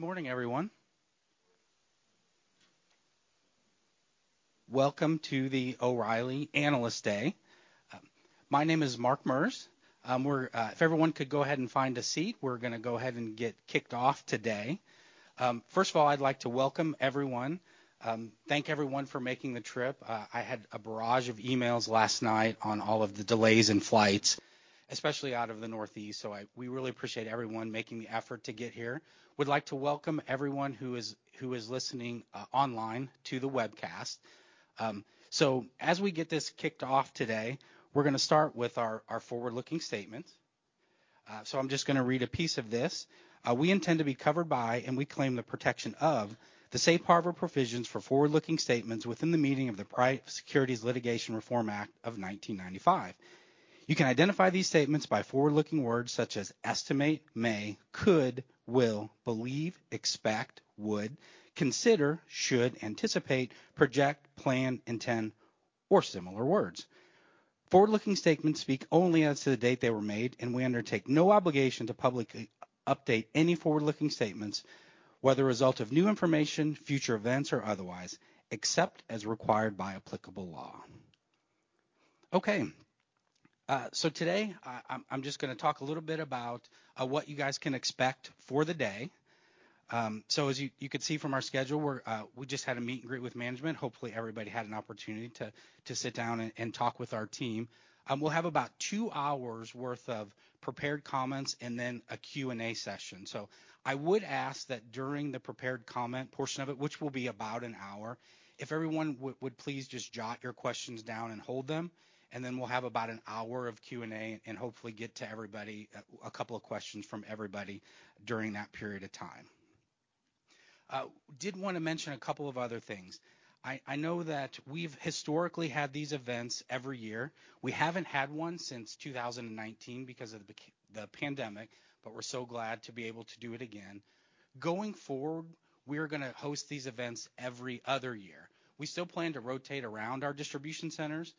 Good morning, everyone. Welcome to the O'Reilly Analyst Day. My name is Mark Merz. If everyone could go ahead and find a seat, we're gonna go ahead and get kicked off today. First of all, I'd like to welcome everyone, thank everyone for making the trip. I had a barrage of emails last night on all of the delays in flights, especially out of the Northeast, so we really appreciate everyone making the effort to get here. We'd like to welcome everyone who is listening online to the webcast. So as we get this kicked off today, we're gonna start with our forward-looking statement. So I'm just gonna read a piece of this. We intend to be covered by, and we claim the protection of, the safe harbor provisions for forward-looking statements within the meaning of the Private Securities Litigation Reform Act of 1995. You can identify these statements by forward-looking words such as estimate, may, could, will, believe, expect, would, consider, should, anticipate, project, plan, intend, or similar words. Forward-looking statements speak only as to the date they were made, and we undertake no obligation to publicly update any forward-looking statements, whether a result of new information, future events, or otherwise, except as required by applicable law. Okay. Today, I'm just gonna talk a little bit about what you guys can expect for the day. As you could see from our schedule, we just had a meet and greet with management. Hopefully, everybody had an opportunity to sit down and talk with our team. We'll have about two hours' worth of prepared comments and then a Q&A session. I would ask that during the prepared comment portion of it, which will be about an hour, if everyone would please just jot your questions down and hold them, and then we'll have about an hour of Q&A, and hopefully get to everybody, a couple of questions from everybody during that period of time. Did wanna mention a couple of other things. I know that we've historically had these events every year. We haven't had one since 2019 because of the pandemic, but we're so glad to be able to do it again. Going forward, we are gonna host these events every other year. We still plan to rotate around our distribution centers,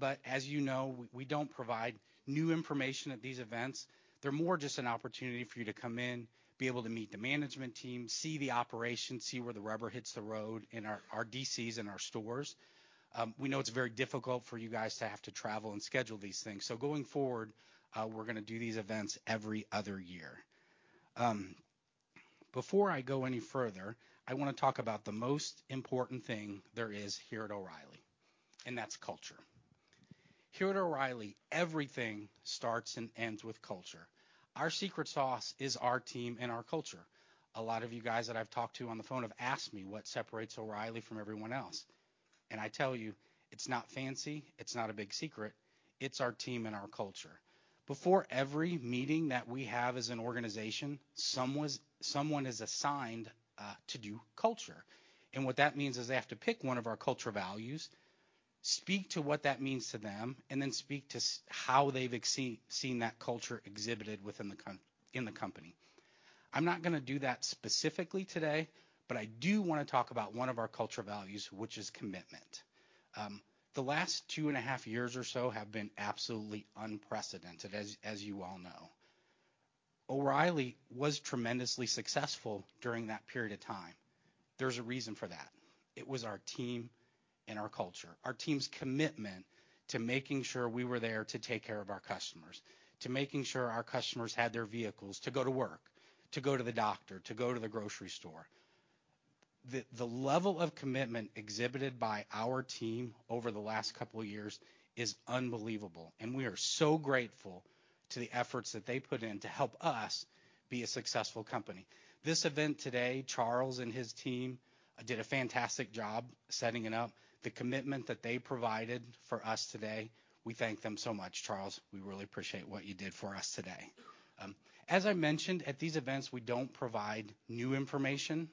but as you know, we don't provide new information at these events. They're more just an opportunity for you to come in, be able to meet the management team, see the operation, see where the rubber hits the road in our DCs and our stores. We know it's very difficult for you guys to have to travel and schedule these things, so going forward, we're gonna do these events every other year. Before I go any further, I wanna talk about the most important thing there is here at O'Reilly, and that's culture. Here at O'Reilly, everything starts and ends with culture. Our secret sauce is our team and our culture. A lot of you guys that I've talked to on the phone have asked me what separates O'Reilly from everyone else, and I tell you, it's not fancy, it's not a big secret, it's our team and our culture. Before every meeting that we have as an organization, someone is assigned to do culture. What that means is they have to pick one of our culture values, speak to what that means to them, and then speak to how they've seen that culture exhibited within the company. I'm not gonna do that specifically today, but I do wanna talk about one of our culture values, which is commitment. The last two and a half years or so have been absolutely unprecedented, as you all know. O'Reilly was tremendously successful during that period of time. There's a reason for that. It was our team and our culture, our team's commitment to making sure we were there to take care of our customers, to making sure our customers had their vehicles to go to work, to go to the doctor, to go to the grocery store. The level of commitment exhibited by our team over the last couple years is unbelievable, and we are so grateful to the efforts that they put in to help us be a successful company. This event today, Charlie and his team did a fantastic job setting it up. The commitment that they provided for us today, we thank them so much. Charlie, we really appreciate what you did for us today. As I mentioned, at these events, we don't provide new information.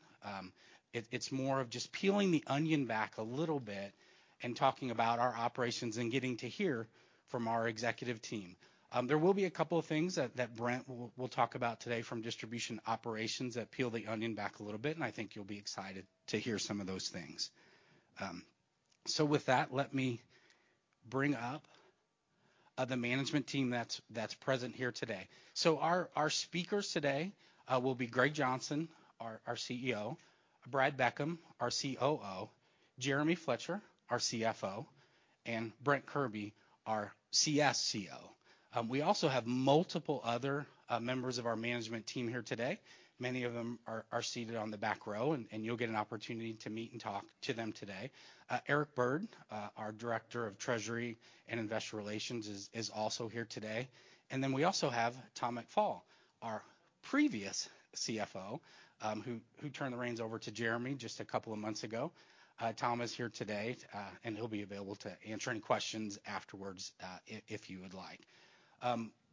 It's more of just peeling the onion back a little bit and talking about our operations and getting to hear from our executive team. There will be a couple of things that Brent will talk about today from distribution operations that peel the onion back a little bit, and I think you'll be excited to hear some of those things. With that, let me bring up the management team that's present here today. Our speakers today will be Greg Johnson, our CEO. Brad Beckham, our COO. Jeremy Fletcher, our CFO, and Brent Kirby, our CSCO. We also have multiple other members of our management team here today. Many of them are seated on the back row, and you'll get an opportunity to meet and talk to them today. Eric Byrd, our director of treasury and investor relations is also here today. Then we also have Tom McFall, our previous CFO, who turned the reins over to Jeremy just a couple of months ago. Tom is here today, and he'll be available to answer any questions afterwards, if you would like.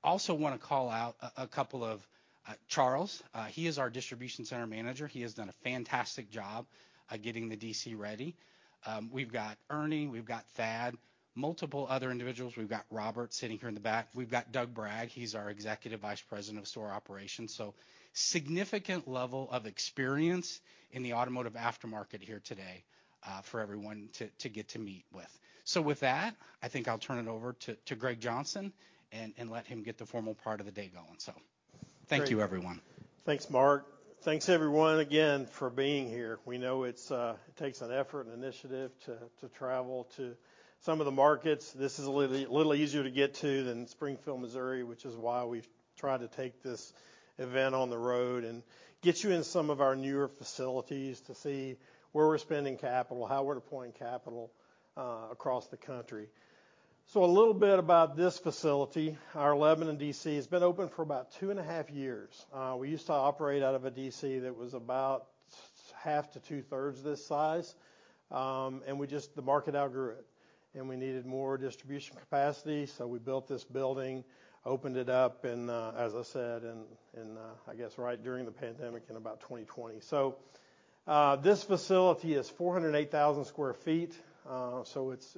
Also wanna call out a couple of Charles, he is our Distribution Center Manager. He has done a fantastic job getting the DC ready. We've got Ernie, we've got Thad, multiple other individuals. We've got Robert sitting here in the back. We've got Doug Bragg, he's our Executive Vice President of Store Operations. Significant level of experience in the automotive aftermarket here today for everyone to get to meet with. With that, I think I'll turn it over to Greg Johnson and let him get the formal part of the day going. Thank you everyone. Thanks, Mark. Thanks everyone again for being here. We know it's it takes an effort and initiative to travel to some of the markets. This is a little easier to get to than Springfield, Missouri, which is why we've tried to take this event on the road and get you in some of our newer facilities to see where we're spending capital, how we're deploying capital across the country. A little bit about this facility. Our Lebanon DC has been open for about two and a half years. We used to operate out of a DC that was about half to 2/3 this size. The market outgrew it, and we needed more distribution capacity, so we built this building, opened it up and, as I said, in, I guess right during the pandemic in about 2020. This facility is 408,000 sq ft.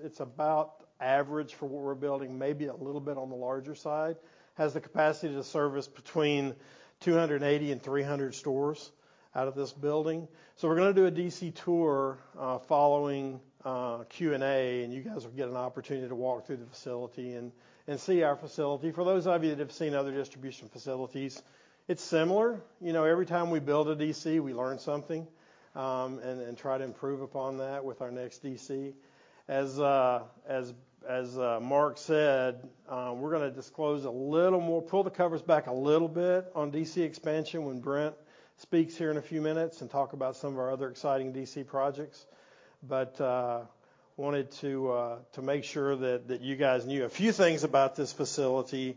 It's about average for what we're building, maybe a little bit on the larger side. It has the capacity to service between 280 and 300 stores out of this building. We're gonna do a DC tour following a Q&A, and you guys will get an opportunity to walk through the facility and see our facility. For those of you that have seen other distribution facilities, it's similar. You know, every time we build a DC, we learn something, and try to improve upon that with our next DC. As Mark said, we're gonna disclose a little more, pull the covers back a little bit on DC expansion when Brent speaks here in a few minutes and talk about some of our other exciting DC projects. Wanted to make sure that you guys knew a few things about this facility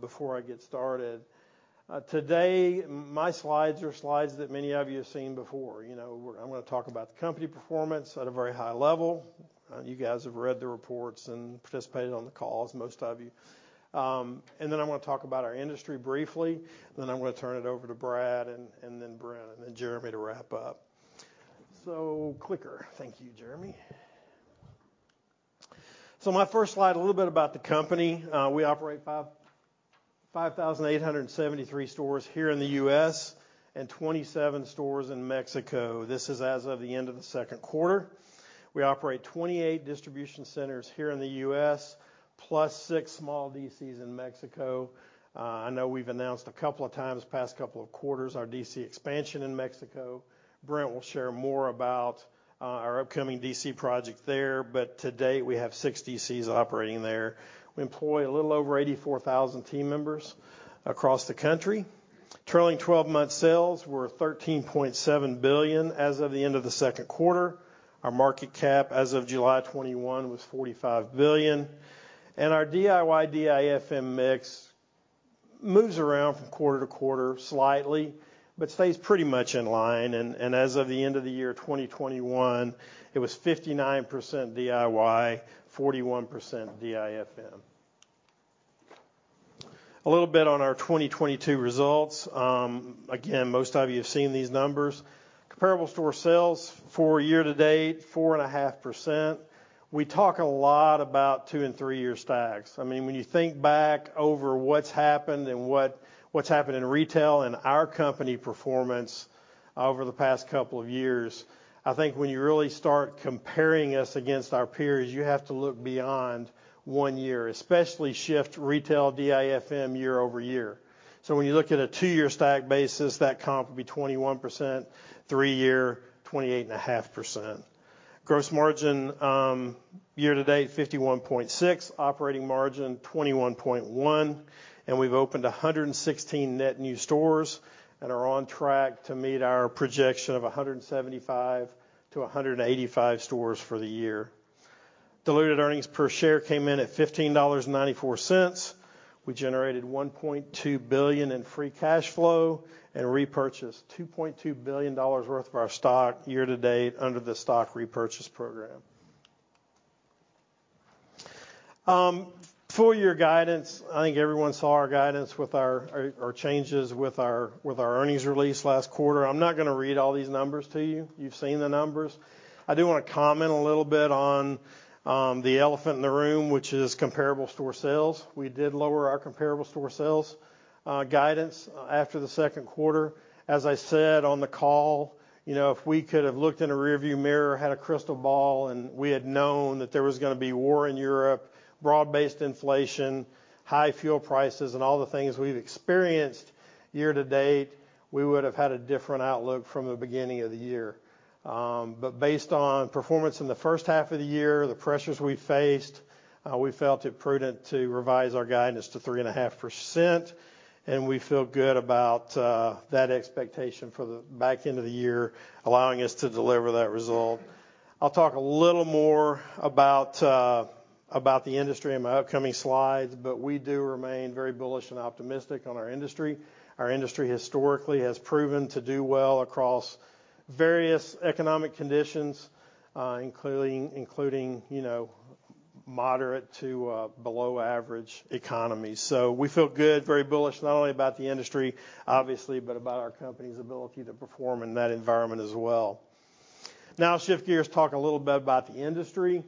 before I get started. Today, my slides are slides that many of you have seen before. You know, I'm gonna talk about the company performance at a very high level. You guys have read the reports and participated on the calls, most of you. I'm gonna talk about our industry briefly, and then I'm gonna turn it over to Brad and then Brent, and then Jeremy to wrap up. Clicker. Thank you, Jeremy. My first slide, a little bit about the company. We operate 5,873 stores here in the U.S. and 27 stores in Mexico. This is as of the end of the second quarter. We operate 28 distribution centers here in the U.S., +6 small DCs in Mexico. I know we've announced a couple of times past couple of quarters our DC expansion in Mexico. Brent will share more about our upcoming DC project there, but to date we have six DCs operating there. We employ a little over 84,000 team members across the country. Trailing 12-month sales were $13.7 billion as of the end of the second quarter. Our market cap as of July 21 was $45 billion. Our DIY/DIFM mix moves around from quarter to quarter slightly, but stays pretty much in line. As of the end of the year 2021, it was 59% DIY, 41% DIFM. A little bit on our 2022 results. Again, most of you have seen these numbers. Comparable store sales for year to date 4.5%. We talk a lot about two and three-year stacks. I mean, when you think back over what's happened and what's happened in retail and our company performance over the past couple of years, I think when you really start comparing us against our peers, you have to look beyond one year, especially shift retail DIFM year-over-year. When you look at a two-year stack basis, that comp would be 21%, three year 28.5%. Gross margin year to date 51.6%, operating margin 21.1%, and we've opened 116 net new stores and are on track to meet our projection of 175 stores-185 stores for the year. Diluted earnings per share came in at $15.94. We generated $1.2 billion in free cash flow and repurchased $2.2 billion worth of our stock year to date under the stock repurchase program. Full year guidance. I think everyone saw our guidance with our changes with our earnings release last quarter. I'm not gonna read all these numbers to you. You've seen the numbers. I do wanna comment a little bit on the elephant in the room, which is comparable store sales. We did lower our comparable store sales guidance after the second quarter. As I said on the call, you know, if we could have looked in a rearview mirror, had a crystal ball, and we had known that there was gonna be war in Europe, broad-based inflation, high fuel prices, and all the things we've experienced year to date, we would have had a different outlook from the beginning of the year. Based on performance in the first half of the year, the pressures we faced, we felt it prudent to revise our guidance .o 3.5%, and we feel good about that expectation for the back end of the year, allowing us to deliver that result. I'll talk a little more about about the industry in my upcoming slides, but we do remain very bullish and optimistic on our industry. Our industry historically has proven to do well across various economic conditions, including, you know, moderate to below average economies. We feel good, very bullish, not only about the industry, obviously, but about our company's ability to perform in that environment as well. Now I'll shift gears, talk a little bit about the industry.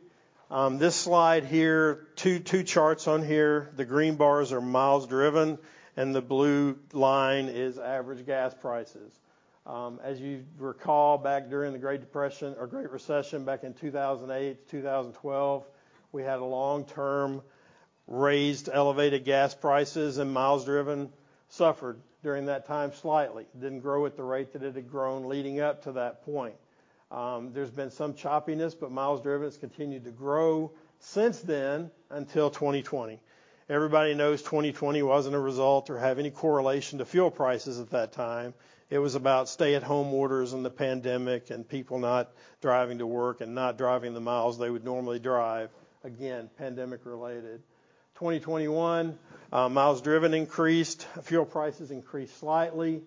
This slide here, two charts on here. The green bars are miles driven and the blue line is average gas prices. As you recall, back during the Great Depression or Great Recession back in 2008 to 2012, we had a long-term raised, elevated gas prices, and miles driven suffered during that time slightly. Didn't grow at the rate that it had grown leading up to that point. There's been some choppiness, but miles driven has continued to grow since then until 2020. Everybody knows 2020 wasn't a result or have any correlation to fuel prices at that time. It was about stay-at-home orders and the pandemic and people not driving to work and not driving the miles they would normally drive. Again, pandemic related. 2021, miles driven increased, fuel prices increased slightly.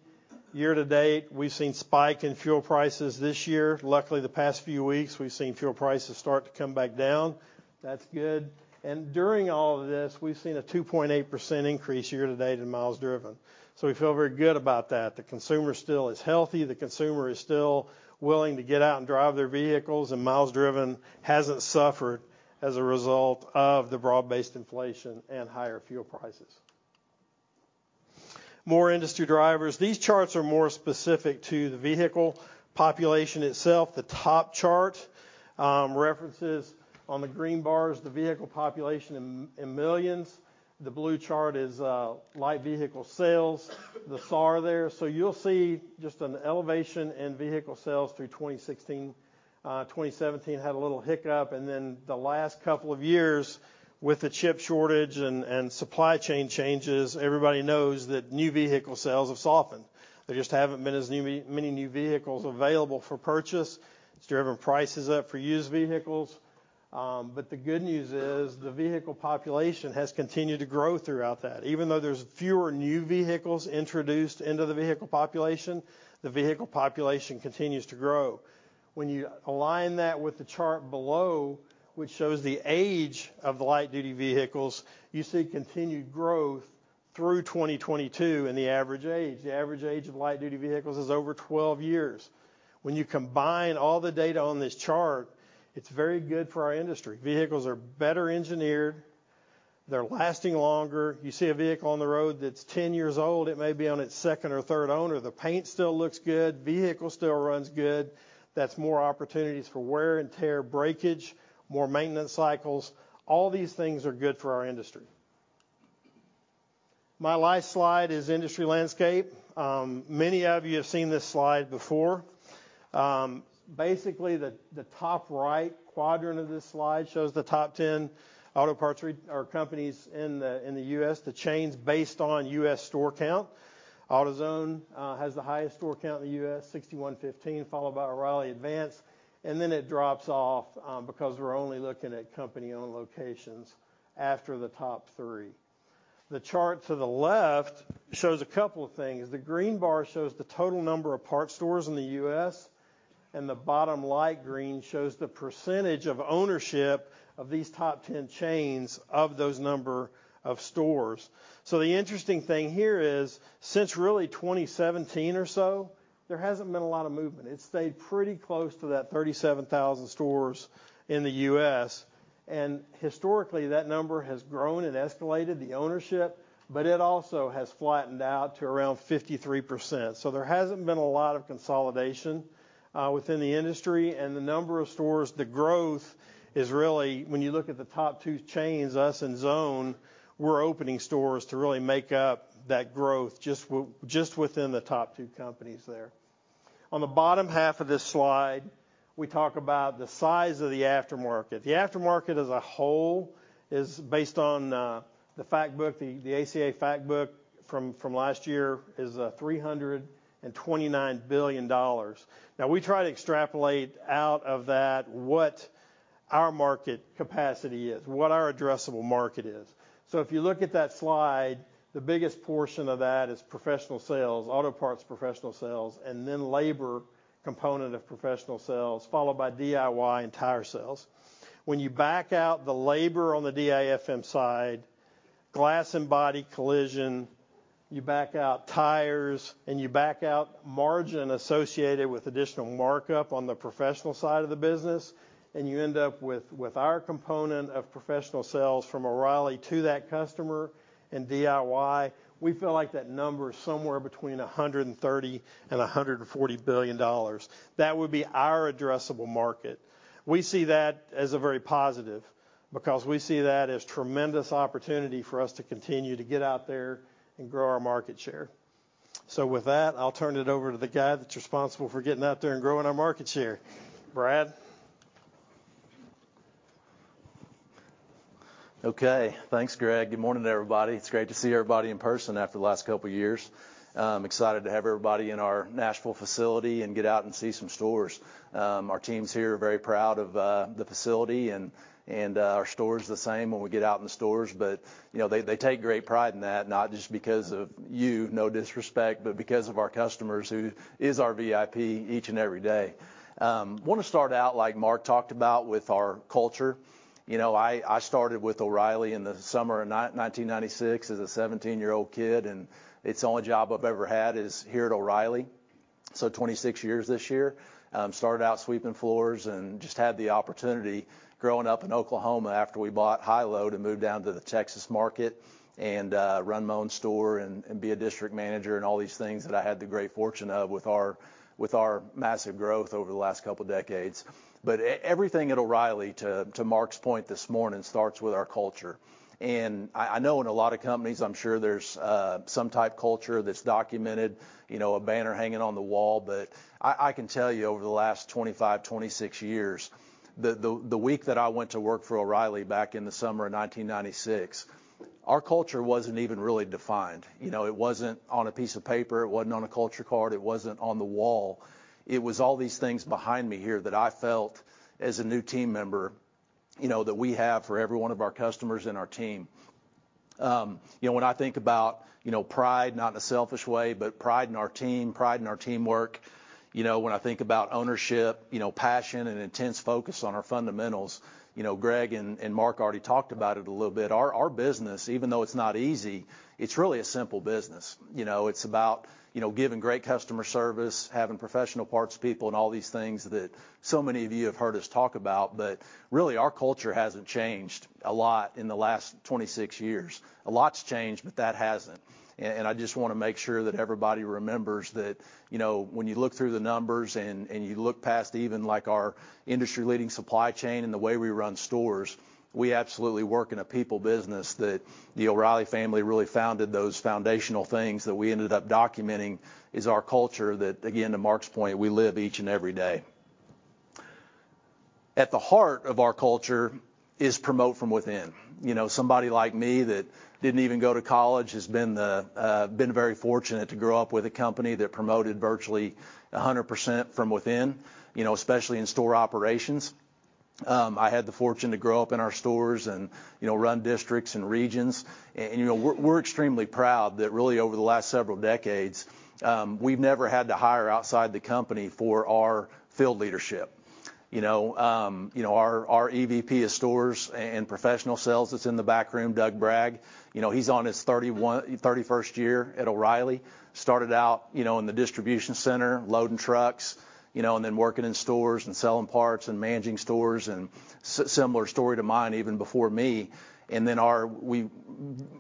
Year to date, we've seen spike in fuel prices this year. Luckily, the past few weeks, we've seen fuel prices start to come back down. That's good. During all of this, we've seen a 2.8% increase year to date in miles driven. So we feel very good about that. The consumer still is healthy. The consumer is still willing to get out and drive their vehicles, and miles driven hasn't suffered as a result of the broad-based inflation and higher fuel prices. More industry drivers. These charts are more specific to the vehicle population itself. The top chart references on the green bars, the vehicle population in millions. The blue chart is light vehicle sales, the SAR there. You'll see just an elevation in vehicle sales through 2016. 2017 had a little hiccup, and then the last couple of years with the chip shortage and supply chain changes, everybody knows that new vehicle sales have softened. There just haven't been as many new vehicles available for purchase. It's driven prices up for used vehicles. The good news is the vehicle population has continued to grow throughout that. Even though there's fewer new vehicles introduced into the vehicle population, the vehicle population continues to grow. When you align that with the chart below, which shows the age of the light-duty vehicles, you see continued growth through 2022 in the average age. The average age of light-duty vehicles is over 12 years. When you combine all the data on this chart, it's very good for our industry. Vehicles are better engineered. They're lasting longer. You see a vehicle on the road that's 10 years old, it may be on its second or third owner. The paint still looks good. Vehicle still runs good. That's more opportunities for wear and tear, breakage, more maintenance cycles. All these things are good for our industry. My last slide is industry landscape. Many of you have seen this slide before. Basically, the top right quadrant of this slide shows the top ten auto parts companies in the U.S., the chains based on U.S. store count. AutoZone has the highest store count in the U.S., 6,115, followed by O'Reilly, Advance, and then it drops off because we're only looking at company-owned locations after the top three. The chart to the left shows a couple of things. The green bar shows the total number of parts stores in the U.S., and the bottom light green shows the percentage of ownership of these top ten chains of those number of stores. The interesting thing here is, since really 2017 or so, there hasn't been a lot of movement. It's stayed pretty close to that 37,000 stores in the U.S. Historically, that number has grown and escalated the ownership, but it also has flattened out to around 53%. There hasn't been a lot of consolidation within the industry. The number of stores, the growth is really, when you look at the top two chains, us and AutoZone, we're opening stores to really make up that growth just within the top two companies there. On the bottom half of this slide, we talk about the size of the aftermarket. The aftermarket as a whole is based on the fact book, the ACA Factbook from last year, is $329 billion. Now, we try to extrapolate out of that what our market capacity is, what our addressable market is. If you look at that slide, the biggest portion of that is professional sales, auto parts professional sales, and then labor component of professional sales, followed by DIY and tire sales. When you back out the labor on the DIFM side, glass and body collision, you back out tires, and you back out margin associated with additional markup on the professional side of the business, and you end up with our component of professional sales from O'Reilly to that customer and DIY, we feel like that number is somewhere between $130 billion and $140 billion. That would be our addressable market. We see that as a very positive because we see that as tremendous opportunity for us to continue to get out there and grow our market share. With that, I'll turn it over to the guy that's responsible for getting out there and growing our market share. Brad? Okay. Thanks, Greg. Good morning, everybody. It's great to see everybody in person after the last couple years. I'm excited to have everybody in our Nashville facility and get out and see some stores. Our teams here are very proud of the facility and our stores the same when we get out in the stores. You know, they take great pride in that, not just because of you, no disrespect, but because of our customers who is our VIP each and every day. Wanna start out like Mark talked about with our culture. You know, I started with O'Reilly in the summer of 1996 as a 17-year-old kid, and it's the only job I've ever had is here at O'Reilly. 26 years this year. Started out sweeping floors and just had the opportunity growing up in Oklahoma after we bought Hi/LO to move down to the Texas market and run my own store and be a district manager and all these things that I had the great fortune of with our massive growth over the last couple decades. Everything at O'Reilly, to Mark's point this morning, starts with our culture. I know in a lot of companies I'm sure there's some type culture that's documented, you know, a banner hanging on the wall. I can tell you over the last 25, 26 years, the week that I went to work for O'Reilly back in the summer of 1996, our culture wasn't even really defined. You know, it wasn't on a piece of paper. It wasn't on a culture card. It wasn't on the wall. It was all these things behind me here that I felt as a new team member, you know, that we have for every one of our customers and our team. You know, when I think about, you know, pride, not in a selfish way, but pride in our team, pride in our teamwork. You know, when I think about ownership, you know, passion and intense focus on our fundamentals. You know, Greg and Mark already talked about it a little bit. Our business, even though it's not easy, it's really a simple business. You know, it's about, you know, giving great customer service, having professional parts people and all these things that so many of you have heard us talk about. Really, our culture hasn't changed a lot in the last 26 years. A lot's changed, but that hasn't. I just wanna make sure that everybody remembers that, you know, when you look through the numbers and you look past even like our industry-leading supply chain and the way we run stores, we absolutely work in a people business that the O'Reilly family really founded those foundational things that we ended up documenting is our culture that, again, to Mark's point, we live each and every day. At the heart of our culture is promote from within. You know, somebody like me that didn't even go to college has been very fortunate to grow up with a company that promoted virtually 100% from within, you know, especially in store operations. I had the fortune to grow up in our stores and, you know, run districts and regions. You know, we're extremely proud that really over the last several decades, we've never had to hire outside the company for our field leadership. You know, our EVP of stores and professional sales that's in the back room, Doug Bragg, you know, he's on his 31st year at O'Reilly. Started out, you know, in the distribution center loading trucks, you know, and then working in stores and selling parts and managing stores and similar story to mine even before me. We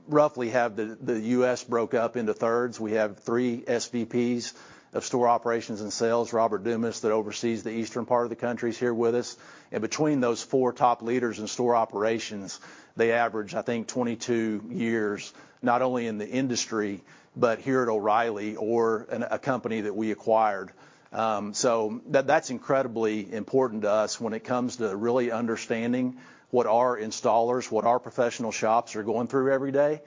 roughly have the U.S. broke up into thirds. We have three SVPs of store operations and sales. Robert Dumas that oversees the eastern part of the country is here with us. Between those four top leaders in store operations, they average, I think, 22 years, not only in the industry, but here at O’Reilly or in a company that we acquired. So that's incredibly important to us when it comes to really understanding what our installers, what our professional shops are going through every day.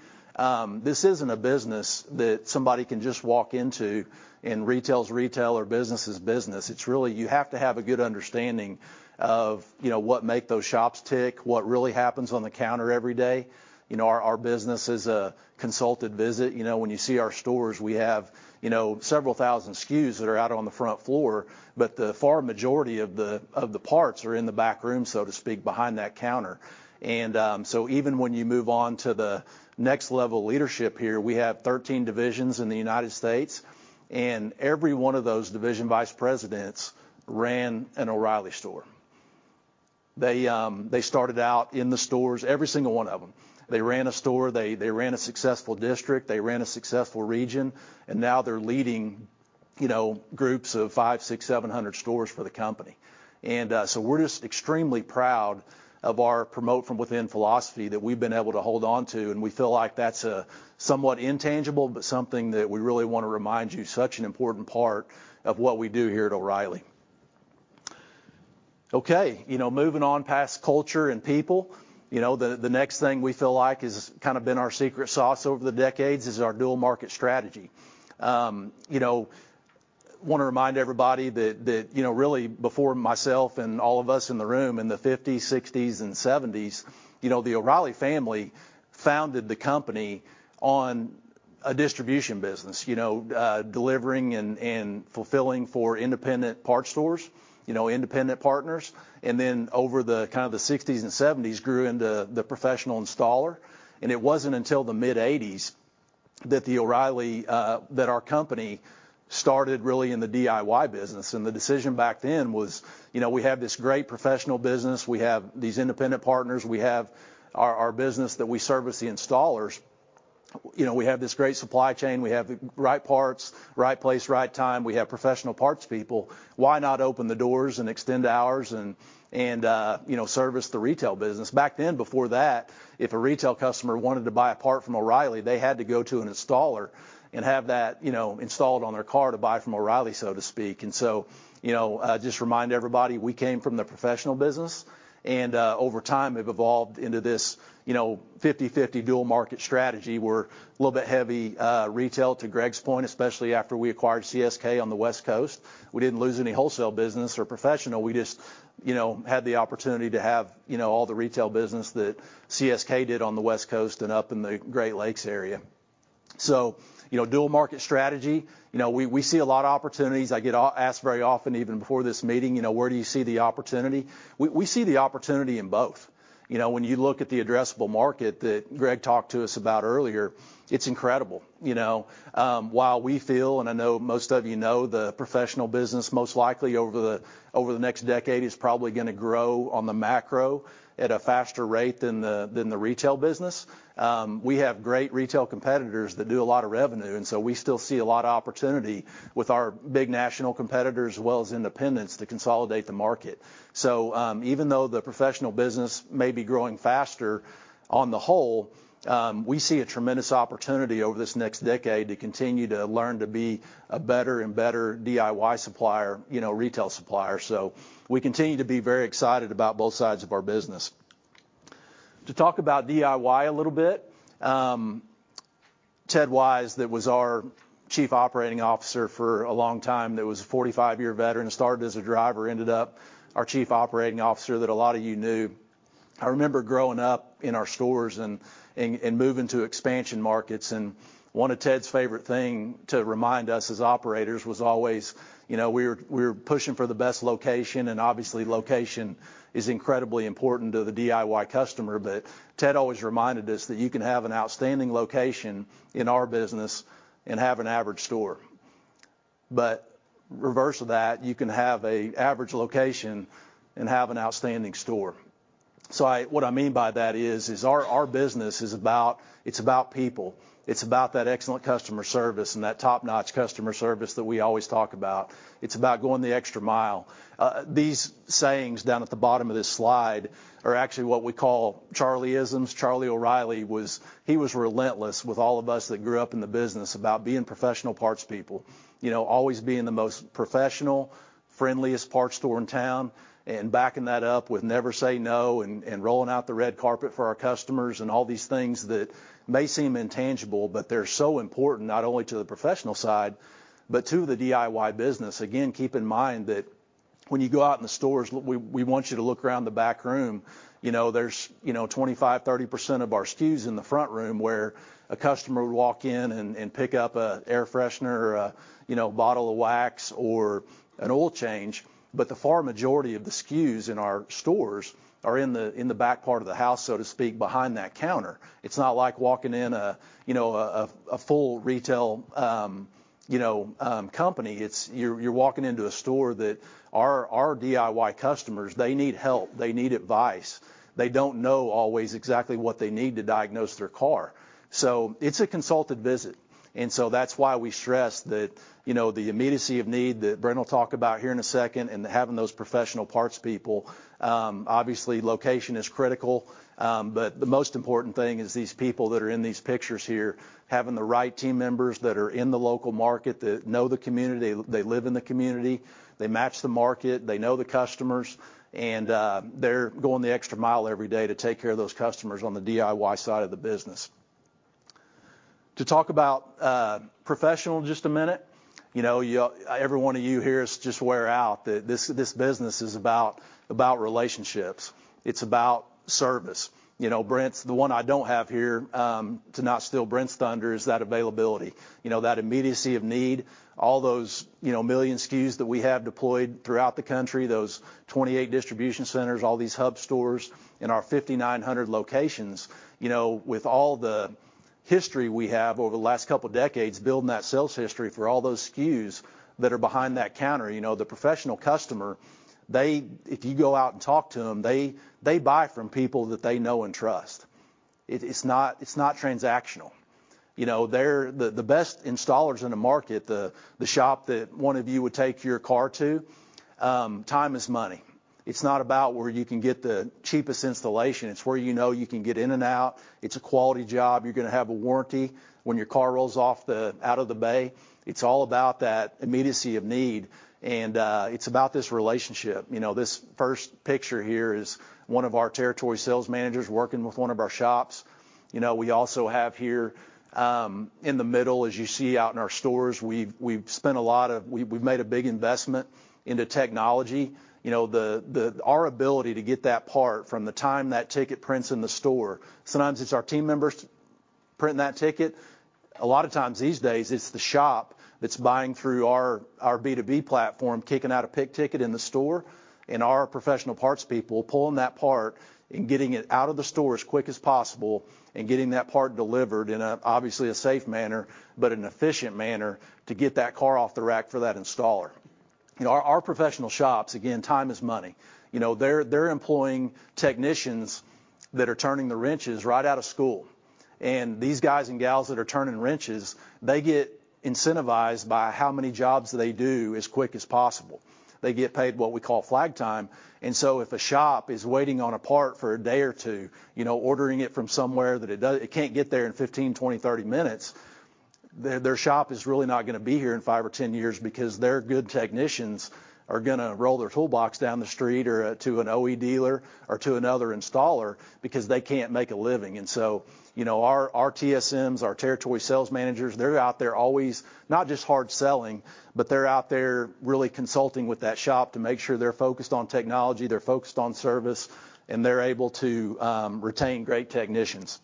This isn't a business that somebody can just walk into and retail's retail or business is business. It's really you have to have a good understanding of, you know, what make those shops tick, what really happens on the counter every day. You know, our business is a consulted visit. You know, when you see our stores, we have, you know, several thousand SKUs that are out on the front floor, but the far majority of the parts are in the back room, so to speak, behind that counter. Even when you move on to the next level leadership here, we have 13 divisions in the United States, and every one of those division vice presidents ran an O'Reilly store. They started out in the stores, every single one of them. They ran a store. They ran a successful district. They ran a successful region. Now they're leading, you know, groups of 500, 600, 700 stores for the company. We're just extremely proud of our promote from within philosophy that we've been able to hold on to, and we feel like that's a somewhat intangible, but something that we really wanna remind you, such an important part of what we do here at O'Reilly. Okay. You know, moving on past culture and people, you know, the next thing we feel like has kinda been our secret sauce over the decades is our dual market strategy. You know, wanna remind everybody that, you know, really before myself and all of us in the room in the fifties, sixties, and seventies, you know, the O'Reilly family founded the company on a distribution business. You know, delivering and fulfilling for independent parts stores, you know, independent partners. Then over the kind of the 1960's and 1970's grew into the professional installer and it wasn't until the mid-1980's that our company started really in the DIY business. The decision back then was, you know, we have this great professional business. We have these independent partners. We have our business that we service the installers. You know, we have this great supply chain. We have the right parts, right place, right time. We have professional parts people. Why not open the doors and extend hours and, you know, service the retail business? Back then, before that, if a retail customer wanted to buy a part from O'Reilly, they had to go to an installer and have that, you know, installed on their car to buy from O'Reilly, so to speak. You know, just remind everybody, we came from the professional business and, over time we've evolved into this, you know, 50/50 dual market strategy. We're a little bit heavy, retail, to Greg's point, especially after we acquired CSK on the West Coast. We didn't lose any wholesale business or professional. We just, you know, had the opportunity to have, you know, all the retail business that CSK did on the West Coast and up in the Great Lakes area. You know, dual market strategy, you know, we see a lot of opportunities. I get asked very often even before this meeting, you know, where do you see the opportunity? We see the opportunity in both. You know, when you look at the addressable market that Greg talked to us about earlier, it's incredible. You know, while we feel, and I know most of you know the professional business most likely over the next decade is probably gonna grow on the macro at a faster rate than the retail business. We have great retail competitors that do a lot of revenue, and so we still see a lot of opportunity with our big national competitors as well as independents to consolidate the market. Even though the professional business may be growing faster on the whole, we see a tremendous opportunity over this next decade to continue to learn to be a better and better DIY supplier, you know, retail supplier. We continue to be very excited about both sides of our business. To talk about DIY a little bit, Ted Wise, that was our Chief Operating Officer for a long time, that was a 45-year veteran, started as a driver, ended up our Chief Operating Officer that a lot of you knew. I remember growing up in our stores and moving to expansion markets, and one of Ted's favorite thing to remind us as operators was always, you know, we were pushing for the best location, and obviously location is incredibly important to the DIY customer. Ted always reminded us that you can have an outstanding location in our business and have an average store. Reverse of that, you can have an average location and have an outstanding store. What I mean by that is our business is about, it's about people. It's about that excellent customer service and that top-notch customer service that we always talk about. It's about going the extra mile. These sayings down at the bottom of this slide are actually what we call Charlie-isms. Charlie O'Reilly was relentless with all of us that grew up in the business about being professional parts people. You know, always being the most professional, friendliest parts store in town and backing that up with never say no, and rolling out the red carpet for our customers and all these things that may seem intangible, but they're so important not only to the professional side but to the DIY business. Again, keep in mind that when you go out in the stores, we want you to look around the back room. You know, there's, you know, 25%-30% of our SKUs in the front room where a customer would walk in and pick up an air freshener or a, you know, bottle of wax or an oil change, but the far majority of the SKUs in our stores are in the back part of the house, so to speak, behind that counter. It's not like walking in a, you know, a full retail company. You're walking into a store that our DIY customers, they need help. They need advice. They don't know always exactly what they need to diagnose their car, so it's a consulted visit. That's why we stress that, you know, the immediacy of need that Brent will talk about here in a second and having those professional parts people. Obviously location is critical, but the most important thing is these people that are in these pictures here, having the right team members that are in the local market, that know the community, they live in the community, they match the market, they know the customers, and they're going the extra mile every day to take care of those customers on the DIY side of the business. To talk about professional just a minute. You know, y'all, every one of you here is just worn out. That this business is about relationships. It's about service. You know, Brent's the one I don't have here to not steal Brent's thunder is that availability. You know, that immediacy of need, all those, you know, million SKUs that we have deployed throughout the country, those 28 distribution centers, all these hub stores in our 5,900 locations. You know, with all the history we have over the last couple decades building that sales history for all those SKUs that are behind that counter, you know, the professional customer, they, if you go out and talk to them, they buy from people that they know and trust. It's not transactional. You know, they're the best installers in the market, the shop that one of you would take your car to, time is money. It's not about where you can get the cheapest installation. It's where you know you can get in and out. It's a quality job. You're gonna have a warranty when your car rolls out of the bay. It's all about that immediacy of need, and it's about this relationship. You know, this first picture here is one of our territory sales managers working with one of our shops. You know, we also have here, in the middle, as you see out in our stores, we've made a big investment into technology. You know, our ability to get that part from the time that ticket prints in the store, sometimes it's our team members printing that ticket. A lot of times these days, it's the shop that's buying through our B2B platform, kicking out a pick ticket in the store, and our professional parts people pulling that part and getting it out of the store as quick as possible and getting that part delivered in an obviously safe manner, but an efficient manner to get that car off the rack for that installer. You know, our professional shops, again, time is money. You know, they're employing technicians that are turning the wrenches right out of school, and these guys and gals that are turning wrenches, they get incentivized by how many jobs they do as quick as possible. They get paid what we call flag time. If a shop is waiting on a part for a day or two, you know, ordering it from somewhere that it can't get there in 15, 20, 30 minutes, their shop is really not gonna be here in five or 10 years because their good technicians are gonna roll their toolbox down the street or to an OE dealer or to another installer because they can't make a living. You know, our TSMs, our territory sales managers, they're out there always, not just hard selling, but they're out there really consulting with that shop to make sure they're focused on technology, they're focused on service, and they're able to retain great technicians.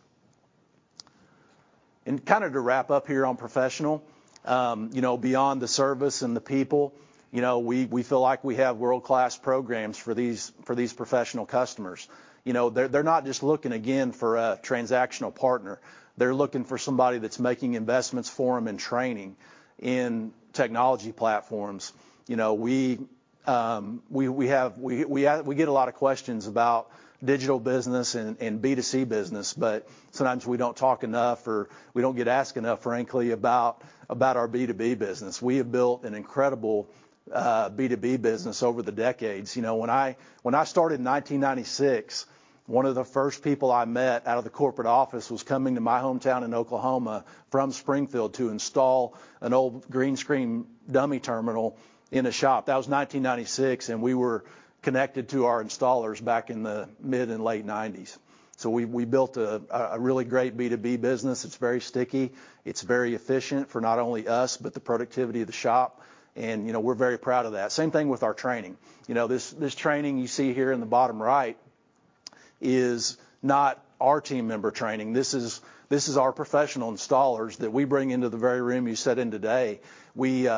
Kind of to wrap up here on professional, you know, beyond the service and the people, you know, we feel like we have world-class programs for these professional customers. You know, they're not just looking again for a transactional partner. They're looking for somebody that's making investments for them in training, in technology platforms. You know, we get a lot of questions about digital business and B2C business, but sometimes we don't talk enough or we don't get asked enough frankly about our B2B business. We have built an incredible, B2B business over the decades. You know, when I started in 1996, one of the first people I met out of the corporate office was coming to my hometown in Oklahoma from Springfield to install an old green screen dummy terminal in a shop. That was 1996, and we were connected to our installers back in the mid and late 1990s. We built a really great B2B business. It's very sticky. It's very efficient for not only us, but the productivity of the shop and, you know, we're very proud of that. Same thing with our training. You know, this training you see here in the bottom right is not our team member training. This is our professional installers that we bring into the very room you sit in today. We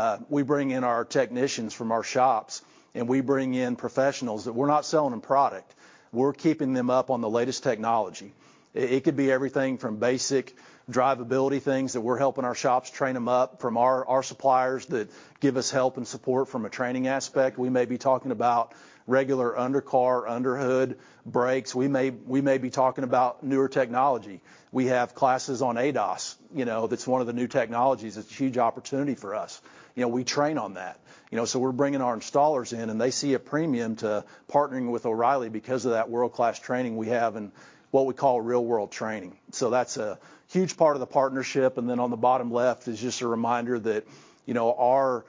bring in our technicians from our shops, and we bring in professionals that we're not selling them product. We're keeping them up on the latest technology. It could be everything from basic drivability things that we're helping our shops train them up from our suppliers that give us help and support from a training aspect. We may be talking about regular undercar, underhood brakes. We may be talking about newer technology. We have classes on ADAS. You know, that's one of the new technologies that's a huge opportunity for us. You know, we train on that. You know, so we're bringing our installers in, and they see a premium to partnering with O'Reilly because of that world-class training we have and what we call real-world training. That's a huge part of the partnership, and then on the bottom left is just a reminder that, you know, our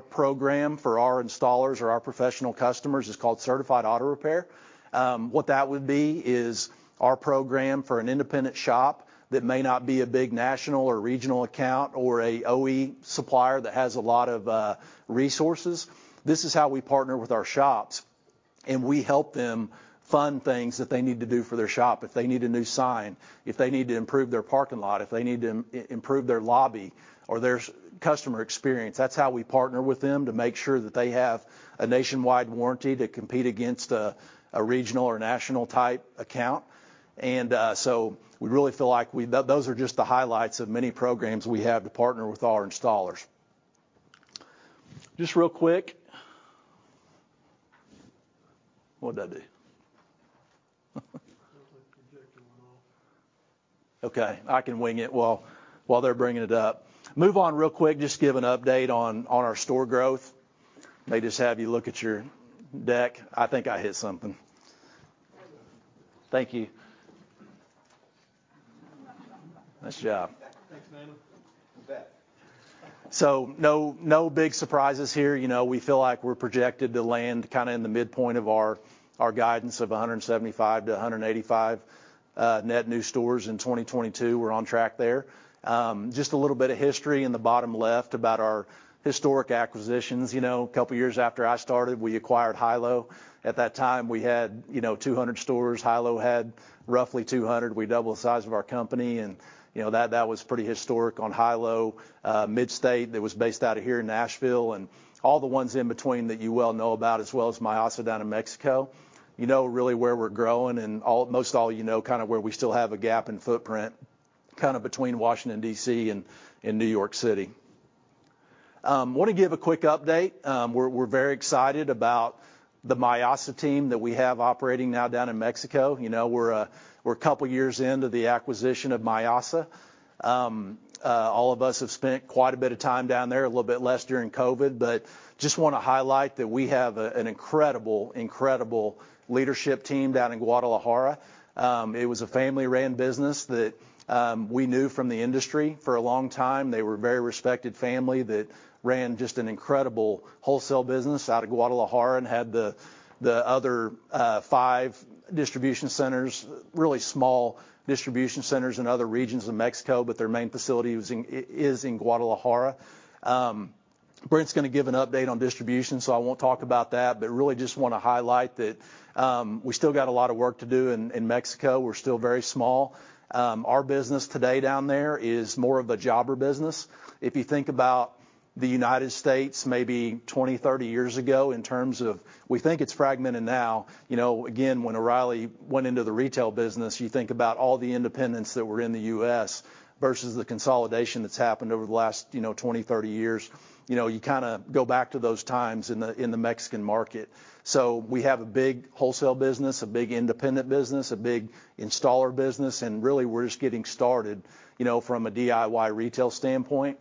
program for our installers or our professional customers is called Certified Auto Repair. What that would be is our program for an independent shop that may not be a big national or regional account or a OE supplier that has a lot of resources. This is how we partner with our shops, and we help them fund things that they need to do for their shop. If they need a new sign, if they need to improve their parking lot, if they need to improve their lobby or their customer experience, that's how we partner with them to make sure that they have a nationwide warranty to compete against a regional or national type account. We really feel like those are just the highlights of many programs we have to partner with our installers. Just real quick. What did I do? Looks like you ejected one off. Okay, I can wing it while they're bringing it up. Move on real quick, just give an update on our store growth. May just have you look at your deck. I think I hit something. Thank you. Nice job. Thanks, man. You bet. No, no big surprises here. You know, we feel like we're projected to land kinda in the midpoint of our guidance of 175-185 net new stores in 2022. We're on track there. Just a little bit of history in the bottom left about our historic acquisitions. You know, a couple years after I started, we acquired Hi/LO. At that time, we had, you know, 200 stores. Hi/LO had roughly 200. We doubled the size of our company, and, you know, that was pretty historic on Hi/LO. Mid-State that was based out of here in Nashville, and all the ones in between that you well know about as well as Mayasa down in Mexico. You know really where we're growing, most all you know kinda where we still have a gap in footprint, kinda between Washington, D.C. and New York City. Wanna give a quick update. We're very excited about the Mayasa team that we have operating now down in Mexico. You know, we're a couple years into the acquisition of Mayasa. All of us have spent quite a bit of time down there, a little bit less during COVID, but just wanna highlight that we have an incredible leadership team down in Guadalajara. It was a family-run business that we knew from the industry for a long time. They were a very respected family that ran just an incredible wholesale business out of Guadalajara and had the other five distribution centers, really small distribution centers in other regions of Mexico, but their main facility is in Guadalajara. Brent's gonna give an update on distribution, so I won't talk about that, but really just wanna highlight that we still got a lot of work to do in Mexico. We're still very small. Our business today down there is more of a jobber business. If you think about the United States maybe 20, 30 years ago in terms of we think it's fragmented now. You know, again, when O'Reilly went into the retail business, you think about all the independents that were in the U.S. versus the consolidation that's happened over the last, you know, 20, 30 years. You know, you kinda go back to those times in the Mexican market. We have a big wholesale business, a big independent business, a big installer business, and really we're just getting started, you know, from a DIY retail standpoint.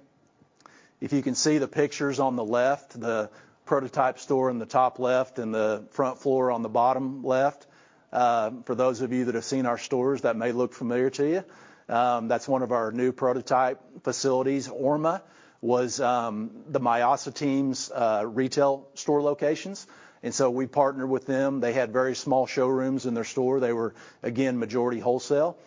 If you can see the pictures on the left, the prototype store in the top left and the front floor on the bottom left, for those of you that have seen our stores, that may look familiar to you. That's one of our new prototype facilities. ORMA was the Mayasa team's retail store locations, and so we partnered with them. They had very small showrooms in their store. They were, again, majority wholesale.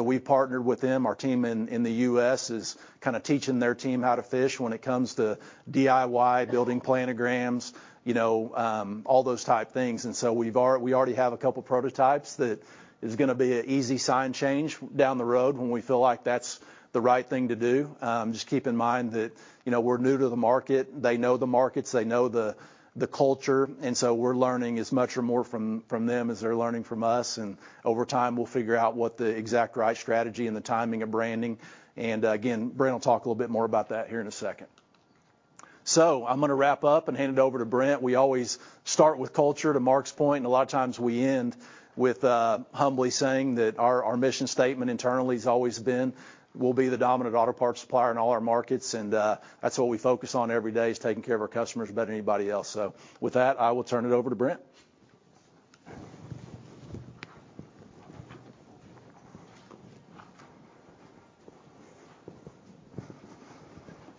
We've partnered with them. Our team in the U.S. is kinda teaching their team how to fish when it comes to DIY, building planograms, you know, all those type things. We already have a couple prototypes that is gonna be a easy sign change down the road when we feel like that's the right thing to do. Just keep in mind that, you know, we're new to the market. They know the markets. They know the culture, and we're learning as much or more from them as they're learning from us. Over time, we'll figure out what the exact right strategy and the timing of branding. Again, Brent will talk a little bit more about that here in a second. I'm gonna wrap up and hand it over to Brent. We always start with culture, to Mark's point, and a lot of times we end with humbly saying that our mission statement internally has always been, we'll be the dominant auto parts supplier in all our markets. That's what we focus on every day, is taking care of our customers better than anybody else. With that, I will turn it over to Brent.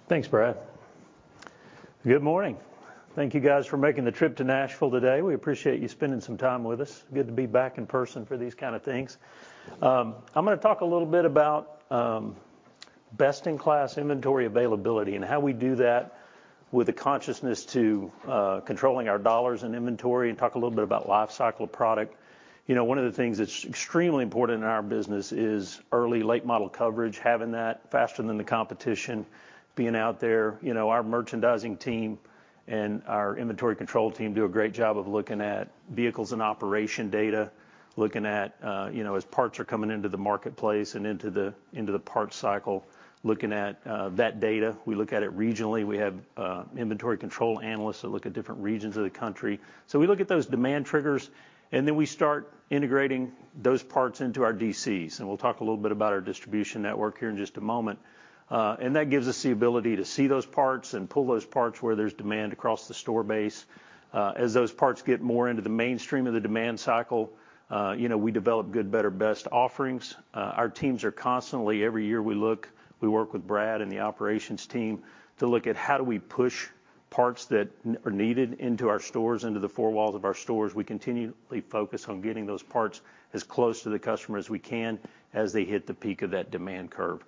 Thanks, Brad. Good morning. Thank you guys for making the trip to Nashville today. We appreciate you spending some time with us. Good to be back in person for these kinda things. I'm gonna talk a little bit about best in class inventory availability and how we do that with a consciousness to controlling our dollars and inventory and talk a little bit about life cycle of product. You know, one of the things that's extremely important in our business is early late model coverage, having that faster than the competition, being out there. You know, our merchandising team and our inventory control team do a great job of looking at vehicles and operation data, looking at you know, as parts are coming into the marketplace and into the parts cycle, looking at that data. We look at it regionally. We have inventory control analysts that look at different regions of the country. We look at those demand triggers, and then we start integrating those parts into our DCs, and we'll talk a little bit about our distribution network here in just a moment. That gives us the ability to see those parts and pull those parts where there's demand across the store base. As those parts get more into the mainstream of the demand cycle, you know, we develop good, better, best offerings. Our teams are constantly, every year we look, we work with Brad and the operations team to look at how do we push parts that are needed into our stores, into the four walls of our stores. We continually focus on getting those parts as close to the customer as we can as they hit the peak of that demand curve.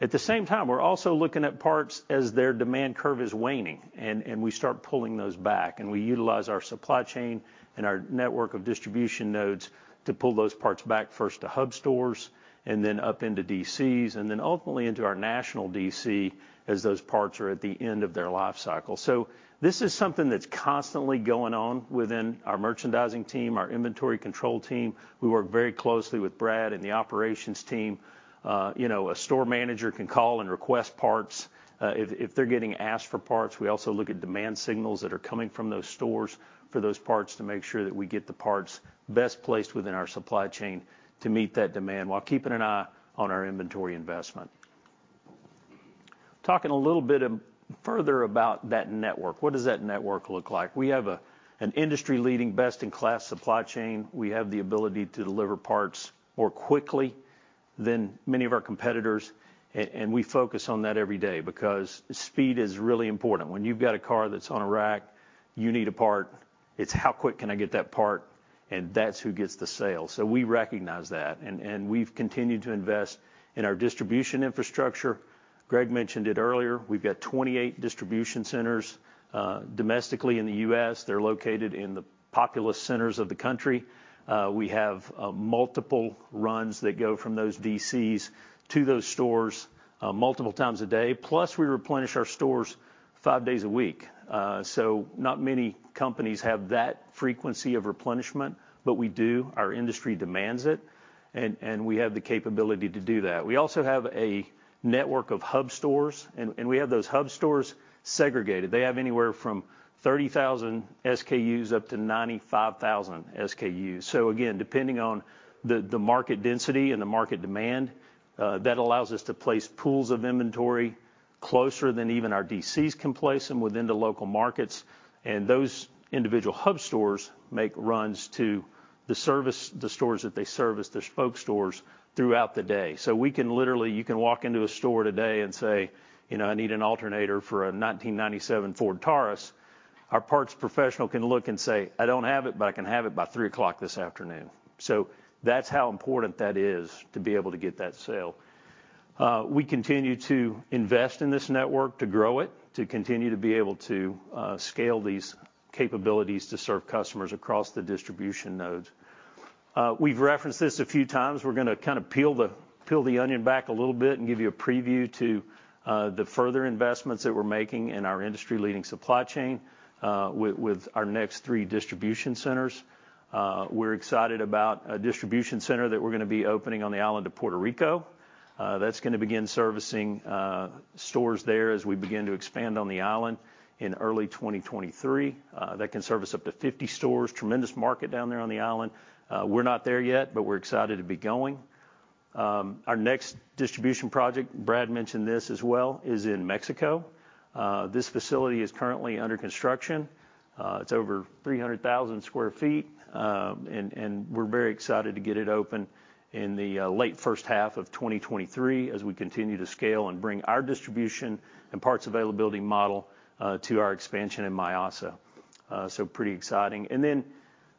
At the same time, we're also looking at parts as their demand curve is waning, and we start pulling those back, and we utilize our supply chain and our network of distribution nodes to pull those parts back first to hub stores, and then up into DCs, and then ultimately into our national DC as those parts are at the end of their life cycle. This is something that's constantly going on within our merchandising team, our inventory control team. We work very closely with Brad and the operations team. You know, a store manager can call and request parts, if they're getting asked for parts. We also look at demand signals that are coming from those stores for those parts to make sure that we get the parts best placed within our supply chain to meet that demand while keeping an eye on our inventory investment. Talking a little bit further about that network, what does that network look like? We have an industry-leading, best-in-class supply chain. We have the ability to deliver parts more quickly than many of our competitors and we focus on that every day because speed is really important. When you've got a car that's on a rack, you need a part, it's how quick can I get that part, and that's who gets the sale. We recognize that, and we've continued to invest in our distribution infrastructure. Greg mentioned it earlier. We've got 28 distribution centers domestically in the U.S. They're located in the populous centers of the country. We have multiple runs that go from those DCs to those stores multiple times a day. Plus, we replenish our stores five days a week. Not many companies have that frequency of replenishment, but we do. Our industry demands it, and we have the capability to do that. We also have a network of hub stores, and we have those hub stores segregated. They have anywhere from 30,000 SKUs up to 95,000 SKUs. Again, depending on the market density and the market demand, that allows us to place pools of inventory closer than even our DCs can place them within the local markets. Those individual hub stores make runs to the stores that they service, their spoke stores, throughout the day. We can literally, you can walk into a store today and say, "You know, I need an alternator for a 1997 Ford Taurus." Our parts professional can look and say, "I don't have it, but I can have it by 3:00 P.M." That's how important that is to be able to get that sale. We continue to invest in this network, to grow it, to continue to be able to scale these capabilities to serve customers across the distribution nodes. We've referenced this a few times. We're gonna kinda peel the onion back a little bit and give you a preview to the further investments that we're making in our industry-leading supply chain with our next three distribution centers. We're excited about a distribution center that we're gonna be opening on the island of Puerto Rico. That's gonna begin servicing stores there as we begin to expand on the island in early 2023. That can service up to 50 stores. Tremendous market down there on the island. We're not there yet, but we're excited to be going. Our next distribution project, Brad mentioned this as well, is in Mexico. This facility is currently under construction. It's over 300,000 sq ft, and we're very excited to get it open in the late first half of 2023 as we continue to scale and bring our distribution and parts availability model to our expansion in Mayasa. Pretty exciting.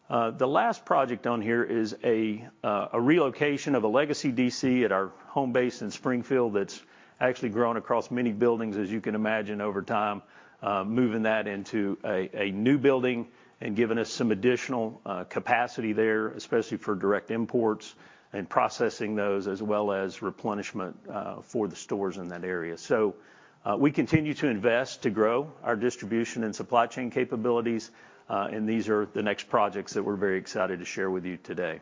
The last project on here is a relocation of a legacy DC at our home base in Springfield that's actually grown across many buildings, as you can imagine, over time, moving that into a new building and giving us some additional capacity there, especially for direct imports and processing those, as well as replenishment for the stores in that area. We continue to invest to grow our distribution and supply chain capabilities, and these are the next projects that we're very excited to share with you today.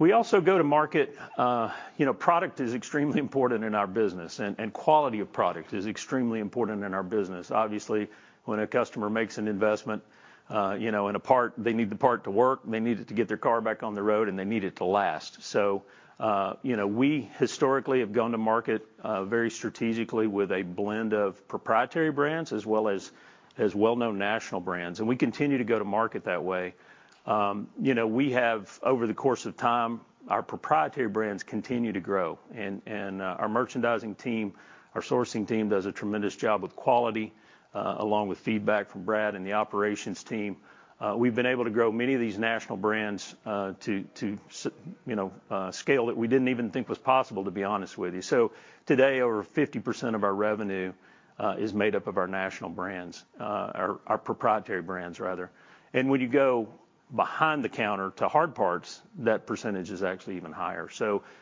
We also go to market, you know, product is extremely important in our business and quality of product is extremely important in our business. Obviously, when a customer makes an investment, you know, in a part, they need the part to work, they need it to get their car back on the road, and they need it to last. You know, we historically have gone to market very strategically with a blend of proprietary brands as well as well-known national brands. We continue to go to market that way. You know, we have over the course of time, our proprietary brands continue to grow and our merchandising team, our sourcing team does a tremendous job with quality, along with feedback from Brad and the operations team. We've been able to grow many of these national brands to scale that we didn't even think was possible, to be honest with you. Today, over 50% of our revenue is made up of our national brands, our proprietary brands rather. When you go behind the counter to hard parts, that percentage is actually even higher.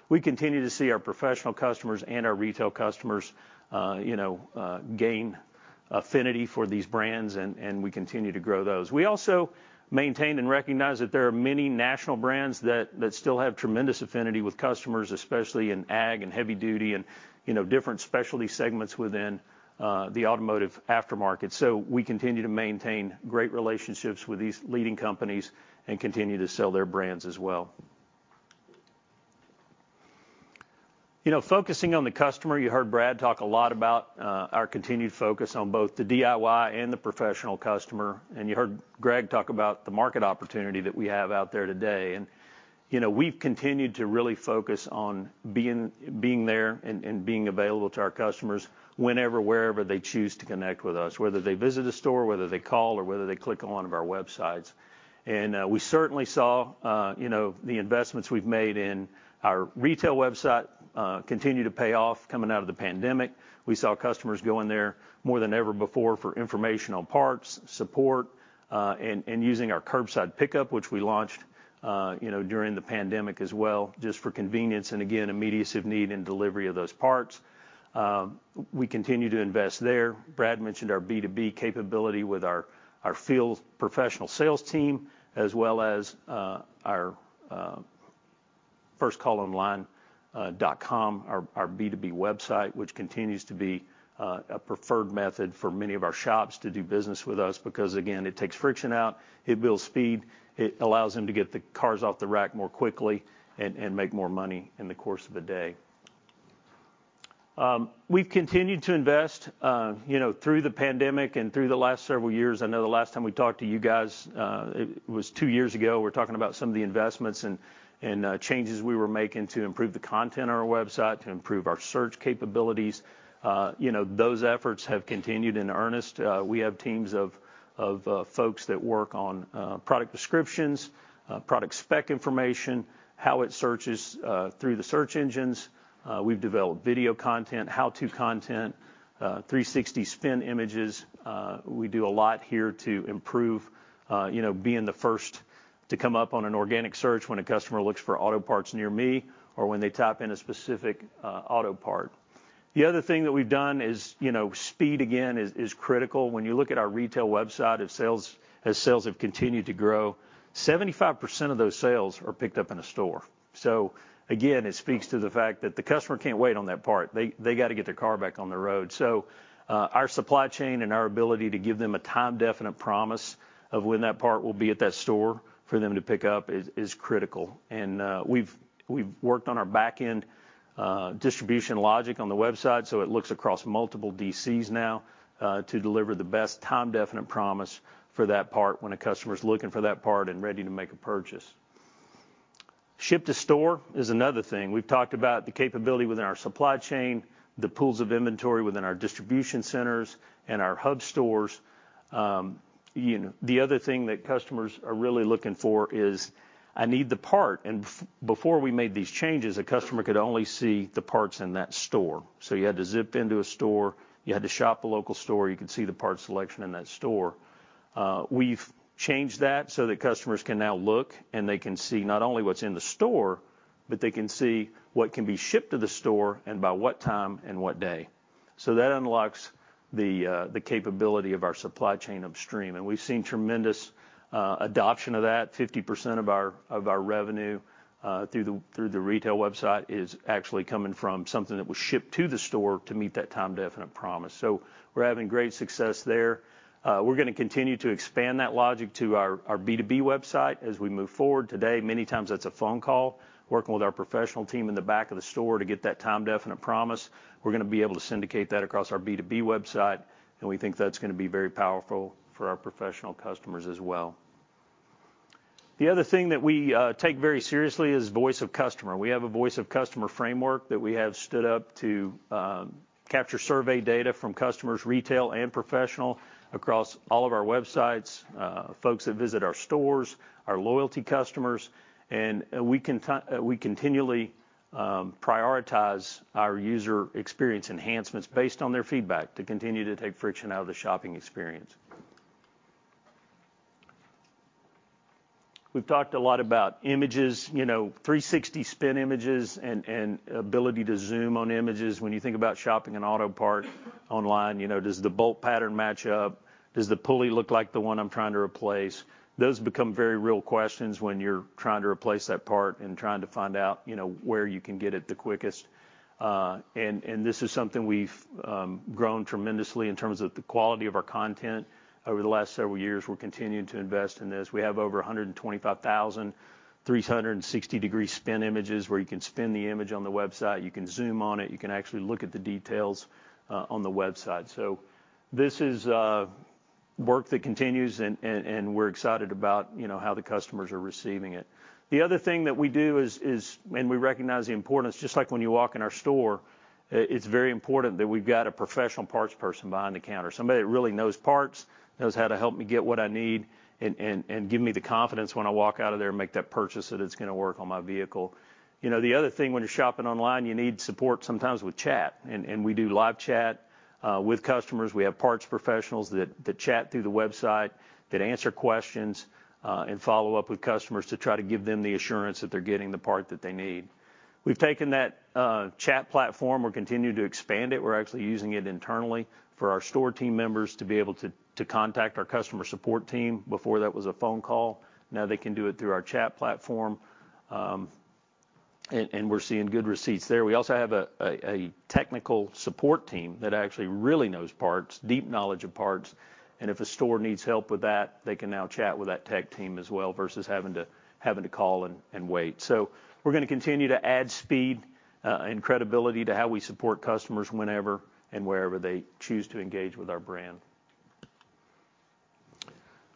We continue to see our professional customers and our retail customers, you know, gain affinity for these brands and we continue to grow those. We also maintain and recognize that there are many national brands that still have tremendous affinity with customers, especially in ag and heavy duty and, you know, different specialty segments within the automotive aftermarket. We continue to maintain great relationships with these leading companies and continue to sell their brands as well. You know, focusing on the customer, you heard Brad talk a lot about our continued focus on both the DIY and the professional customer. You heard Greg talk about the market opportunity that we have out there today. You know, we've continued to really focus on being there and being available to our customers whenever, wherever they choose to connect with us, whether they visit a store, whether they call, or whether they click on one of our websites. We certainly saw, you know, the investments we've made in our retail website continue to pay off coming out of the pandemic. We saw customers going there more than ever before for information on parts, support, and using our curbside pickup, which we launched, you know, during the pandemic as well, just for convenience and again, immediacy of need and delivery of those parts. We continue to invest there. Brad mentioned our B2B capability with our field professional sales team, as well as our FirstCallOnline.com, our B2B website, which continues to be a preferred method for many of our shops to do business with us because again, it takes friction out, it builds speed, it allows them to get the cars off the rack more quickly and make more money in the course of the day. We've continued to invest, you know, through the pandemic and through the last several years. I know the last time we talked to you guys, it was two years ago, we were talking about some of the investments and changes we were making to improve the content on our website, to improve our search capabilities. You know, those efforts have continued in earnest. We have teams of folks that work on product descriptions, product spec information, how it searches through the search engines. We've developed video content, how-to content, 360 spin images. We do a lot here to improve, you know, being the first to come up on an organic search when a customer looks for auto parts near me or when they type in a specific auto part. The other thing that we've done is, you know, speed again is critical. When you look at our retail website, as sales have continued to grow, 75% of those sales are picked up in a store. Again, it speaks to the fact that the customer can't wait on that part. They gotta get their car back on the road. Our supply chain and our ability to give them a time definite promise of when that part will be at that store for them to pick up is critical. We've worked on our backend distribution logic on the website, so it looks across multiple DCs now to deliver the best time definite promise for that part when a customer's looking for that part and ready to make a purchase. Ship to store is another thing. We've talked about the capability within our supply chain, the pools of inventory within our distribution centers and our hub stores. You know, the other thing that customers are really looking for is, "I need the part." Before we made these changes, a customer could only see the parts in that store. You had to zip into a store, you had to shop the local store, you could see the part selection in that store. We've changed that so that customers can now look and they can see not only what's in the store, but they can see what can be shipped to the store and by what time and what day. That unlocks the capability of our supply chain upstream, and we've seen tremendous adoption of that. 50% of our revenue through the retail website is actually coming from something that was shipped to the store to meet that time definite promise. We're having great success there. We're gonna continue to expand that logic to our B2B website as we move forward. Today, many times that's a phone call, working with our professional team in the back of the store to get that time definite promise. We're gonna be able to syndicate that across our B2B website, and we think that's gonna be very powerful for our professional customers as well. The other thing that we take very seriously is voice of customer. We have a voice of customer framework that we have stood up to capture survey data from customers, retail and professional, across all of our websites, folks that visit our stores, our loyalty customers. We continually prioritize our user experience enhancements based on their feedback to continue to take friction out of the shopping experience. We've talked a lot about images, you know, 360 spin images and ability to zoom on images. When you think about shopping an auto part online, you know, does the bolt pattern match up? Does the pulley look like the one I'm trying to replace? Those become very real questions when you're trying to replace that part and trying to find out, you know, where you can get it the quickest. This is something we've grown tremendously in terms of the quality of our content over the last several years. We're continuing to invest in this. We have over 125,000 360-degree spin images where you can spin the image on the website, you can zoom on it, you can actually look at the details on the website. This is work that continues and we're excited about, you know, how the customers are receiving it. The other thing that we do is we recognize the importance, just like when you walk in our store. It's very important that we've got a professional parts person behind the counter, somebody that really knows parts, knows how to help me get what I need and give me the confidence when I walk out of there and make that purchase that it's gonna work on my vehicle. You know, the other thing when you're shopping online, you need support sometimes with chat, and we do live chat with customers. We have parts professionals that chat through the website, that answer questions, and follow up with customers to try to give them the assurance that they're getting the part that they need. We've taken that chat platform. We're continuing to expand it. We're actually using it internally for our store team members to be able to contact our customer support team. Before, that was a phone call, now they can do it through our chat platform. We're seeing good receipts there. We also have a technical support team that actually really knows parts, deep knowledge of parts, and if a store needs help with that, they can now chat with that tech team as well versus having to call and wait. We're gonna continue to add speed and credibility to how we support customers whenever and wherever they choose to engage with our brand.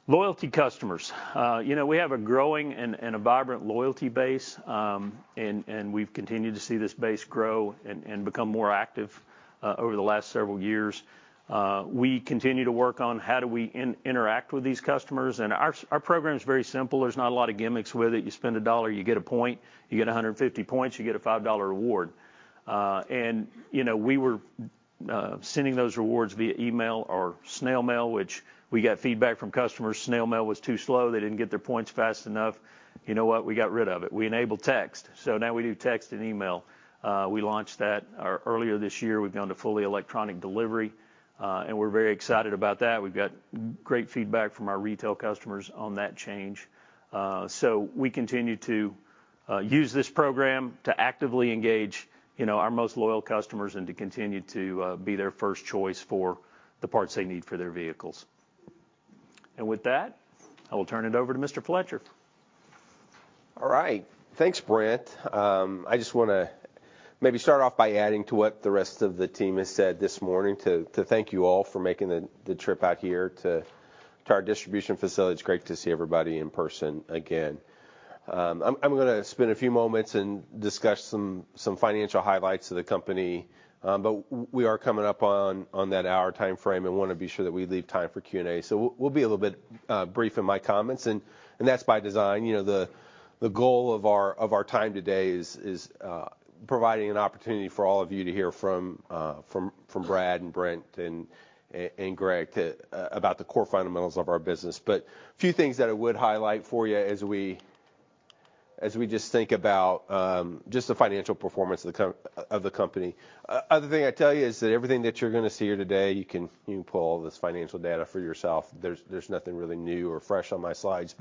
Loyalty customers. We have a growing and a vibrant loyalty base, and we've continued to see this base grow and become more active over the last several years. We continue to work on how we interact with these customers. Our program's very simple. There's not a lot of gimmicks with it. You spend a dollar, you get a point. You get 150 points, you get a $5 reward. You know, we were sending those rewards via email or snail mail, which we got feedback from customers. Snail mail was too slow. They didn't get their points fast enough. You know what? We got rid of it. We enabled text, so now we do text and email. We launched that earlier this year. We've gone to fully electronic delivery, and we're very excited about that. We've got great feedback from our retail customers on that change. We continue to use this program to actively engage, you know, our most loyal customers and to continue to be their first choice for the parts they need for their vehicles. With that, I will turn it over to Mr. Fletcher. All right. Thanks, Brent. I just wanna maybe start off by adding to what the rest of the team has said this morning to thank you all for making the trip out here to our distribution facility. It's great to see everybody in person again. I'm gonna spend a few moments and discuss some financial highlights of the company. We are coming up on that hour timeframe and wanna be sure that we leave time for Q&A. We'll be a little bit brief in my comments, and that's by design. You know, the goal of our time today is providing an opportunity for all of you to hear from Brad and Brent and Greg to about the core fundamentals of our business. A few things that I would highlight for you as we just think about just the financial performance of the company. Other thing I'd tell you is that everything that you're gonna see here today, you can pull all this financial data for yourself. There's nothing really new or fresh on my slides.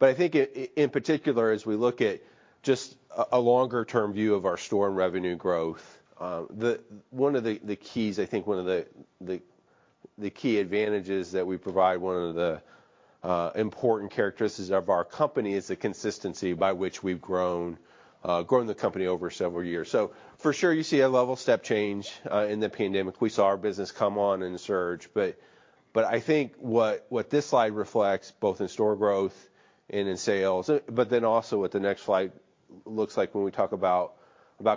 I think in particular, as we look at just a longer term view of our store and revenue growth, one of the keys, I think one of the key advantages that we provide, one of the important characteristics of our company is the consistency by which we've grown the company over several years. For sure, you see a level step change in the pandemic. We saw our business come on and surge. I think what this slide reflects both in store growth and in sales, but then also what the next slide looks like when we talk about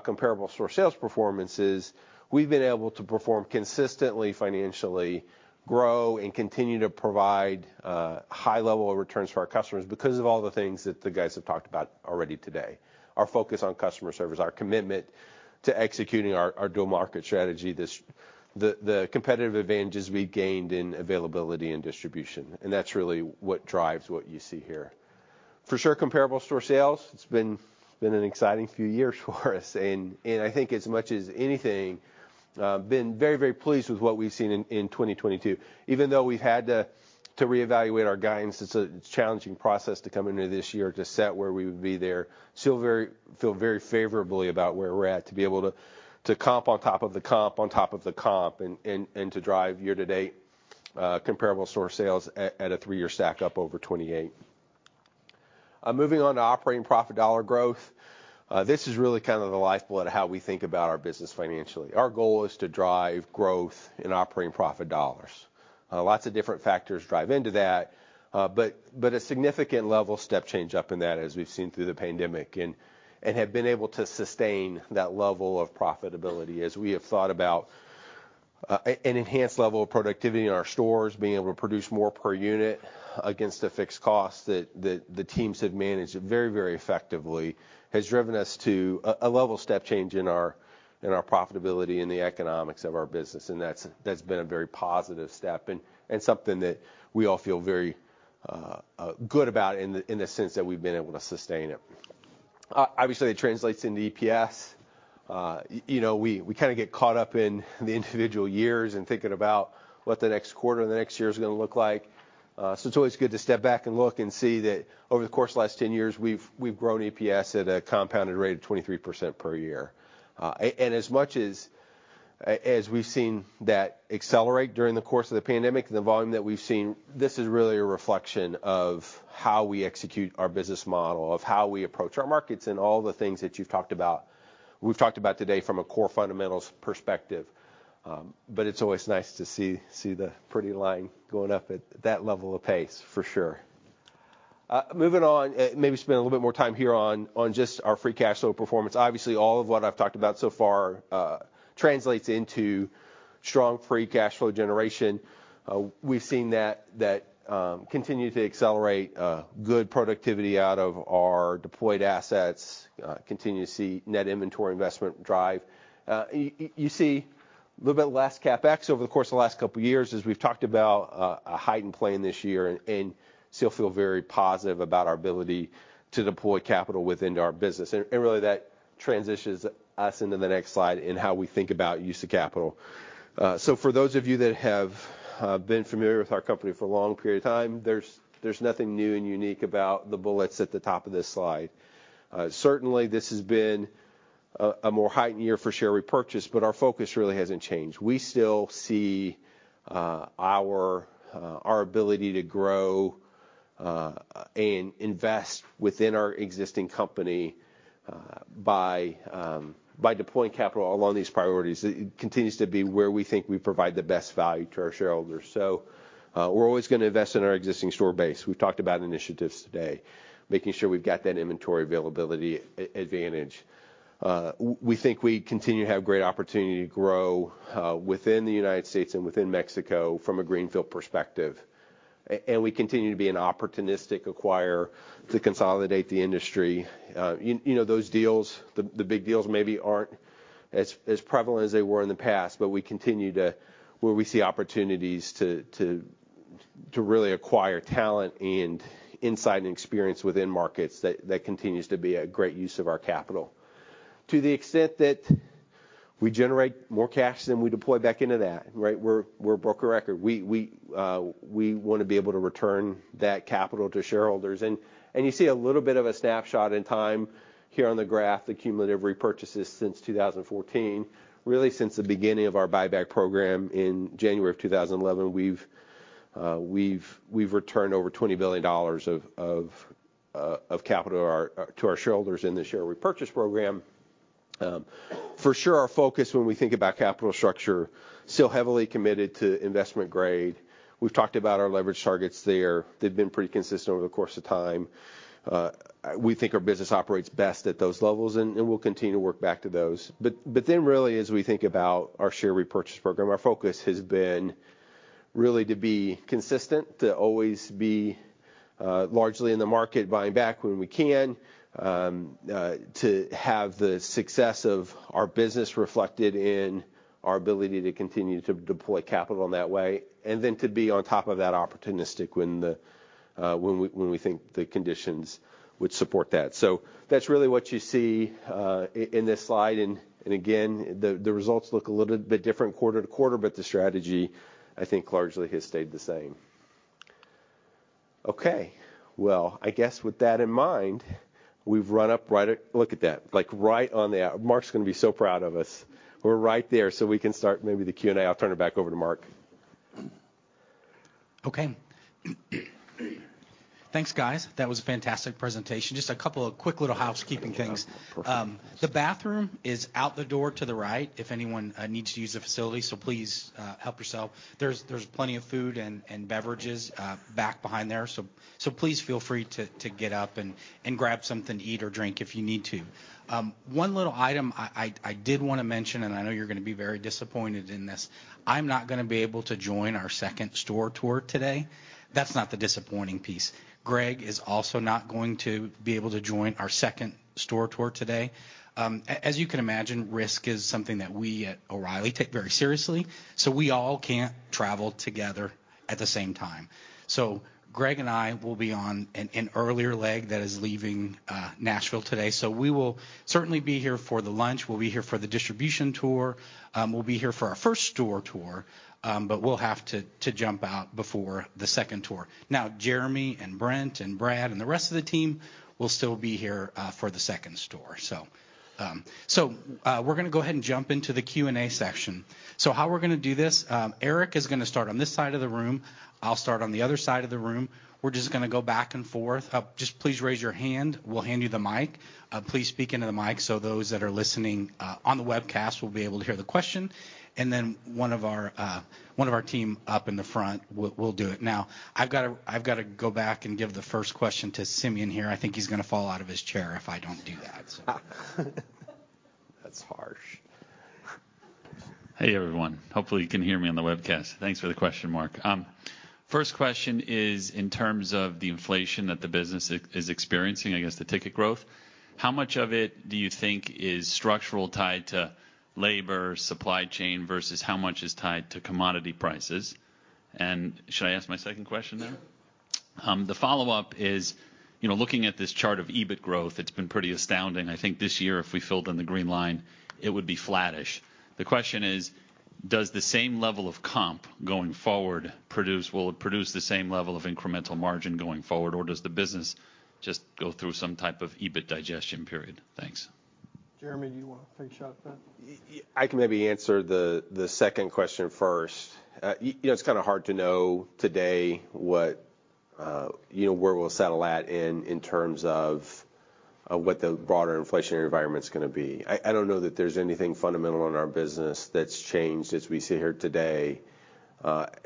comparable store sales performance is we've been able to perform consistently financially, grow and continue to provide high level of returns for our customers because of all the things that the guys have talked about already today. Our focus on customer service, our commitment to executing our dual market strategy, the competitive advantages we gained in availability and distribution, and that's really what drives what you see here. For sure, comparable store sales, it's been an exciting few years for us and I think as much as anything, been very pleased with what we've seen in 2022. Even though we've had to reevaluate our guidance, it's a challenging process to come into this year to set where we would be there. Still feel very favorably about where we're at to be able to comp on top of the comp on top of the comp and to drive year-to-date comparable store sales at a three-year stack up over 28. Moving on to operating profit dollar growth. This is really kind of the lifeblood of how we think about our business financially. Our goal is to drive growth in operating profit dollars. Lots of different factors drive into that. A significant level step change up in that as we've seen through the pandemic and have been able to sustain that level of profitability as we have thought about an enhanced level of productivity in our stores, being able to produce more per unit against a fixed cost that the teams have managed very effectively has driven us to a level step change in our profitability and the economics of our business. That's been a very positive step and something that we all feel very good about in the sense that we've been able to sustain it. Obviously it translates into EPS. You know, we kinda get caught up in the individual years and thinking about what the next quarter or the next year's gonna look like. It's always good to step back and look and see that over the course of the last 10 years we've grown EPS at a compounded rate of 23% per year. As much as we've seen that accelerate during the course of the pandemic, the volume that we've seen, this is really a reflection of how we execute our business model, of how we approach our markets and all the things that you've talked about, we've talked about today from a core fundamentals perspective. It's always nice to see the pretty line going up at that level of pace for sure. Moving on. Maybe spend a little bit more time here on just our free cash flow performance. Obviously, all of what I've talked about so far translates into strong free cash flow generation. We've seen that continue to accelerate, good productivity out of our deployed assets, continue to see net inventory investment drive. You see a little bit less CapEx over the course of the last couple years as we've talked about, a heightened plan this year and still feel very positive about our ability to deploy capital within our business. Really that transitions us into the next slide in how we think about use of capital. So for those of you that have been familiar with our company for a long period of time, there's nothing new and unique about the bullets at the top of this slide. Certainly this has been a more heightened year for share repurchase, but our focus really hasn't changed. We still see our ability to grow and invest within our existing company by deploying capital along these priorities. It continues to be where we think we provide the best value to our shareholders. We're always gonna invest in our existing store base. We've talked about initiatives today, making sure we've got that inventory availability advantage. We think we continue to have great opportunity to grow within the United States and within Mexico from a greenfield perspective. We continue to be an opportunistic acquirer to consolidate the industry. You know, those deals, the big deals maybe aren't as prevalent as they were in the past, but we continue to, where we see opportunities to really acquire talent and insight and experience within markets, that continues to be a great use of our capital. To the extent that we generate more cash than we deploy back into that, right? We're breaking records. We wanna be able to return that capital to shareholders. You see a little bit of a snapshot in time here on the graph, the cumulative repurchases since 2014. Really since the beginning of our buyback program in January of 2011, we've returned over $20 billion of capital to our shareholders in the share repurchase program. For sure, our focus when we think about capital structure is still heavily committed to investment grade. We've talked about our leverage targets there. They've been pretty consistent over the course of time. We think our business operates best at those levels, and we'll continue to work back to those. Really, as we think about our share repurchase program, our focus has been really to be consistent, to always be largely in the market, buying back when we can, to have the success of our business reflected in our ability to continue to deploy capital in that way, and then to be on top of that opportunistic when we think the conditions would support that. That's really what you see in this slide. Again, the results look a little bit different quarter to quarter, but the strategy I think largely has stayed the same. Okay. Well, I guess with that in mind, we've run up right at. Look at that. Like right on the mark. Mark's gonna be so proud of us. We're right there, so we can start maybe the Q&A. I'll turn it back over to Mark. Okay. Thanks, guys. That was a fantastic presentation. Just a couple of quick little housekeeping things. Perfect. The bathroom is out the door to the right if anyone needs to use the facility. Please help yourself. There's plenty of food and beverages back behind there, so please feel free to get up and grab something to eat or drink if you need to. One little item I did wanna mention, and I know you're gonna be very disappointed in this, I'm not gonna be able to join our second store tour today. That's not the disappointing piece. Greg is also not going to be able to join our second store tour today. As you can imagine, risk is something that we at O'Reilly take very seriously, so we all can't travel together at the same time. Greg and I will be on an earlier leg that is leaving Nashville today. We will certainly be here for the lunch, we'll be here for the distribution tour, we'll be here for our first store tour, but we'll have to jump out before the second tour. Now, Jeremy and Brent and Brad and the rest of the team will still be here for the second store. We're gonna go ahead and jump into the Q&A section. How we're gonna do this, Eric is gonna start on this side of the room, I'll start on the other side of the room. We're just gonna go back and forth. Just please raise your hand, we'll hand you the mic. Please speak into the mic so those that are listening on the webcast will be able to hear the question. One of our team up in the front will do it. Now, I've gotta go back and give the first question to Simeon here. I think he's gonna fall out of his chair if I don't do that, so. That's harsh. Hey, everyone. Hopefully you can hear me on the webcast. Thanks for the question, Mark. First question is in terms of the inflation that the business is experiencing, I guess the ticket growth, how much of it do you think is structurally tied to labor, supply chain, versus how much is tied to commodity prices? Should I ask my second question now? Sure. The follow-up is, you know, looking at this chart of EBIT growth, it's been pretty astounding. I think this year if we filled in the green line, it would be flattish. The question is, will the same level of comp going forward produce the same level of incremental margin going forward, or does the business just go through some type of EBIT digestion period? Thanks. Jeremy, you wanna take a shot at that? I can maybe answer the second question first. You know, it's kinda hard to know today what you know where we'll settle at in terms of what the broader inflationary environment's gonna be. I don't know that there's anything fundamental in our business that's changed as we sit here today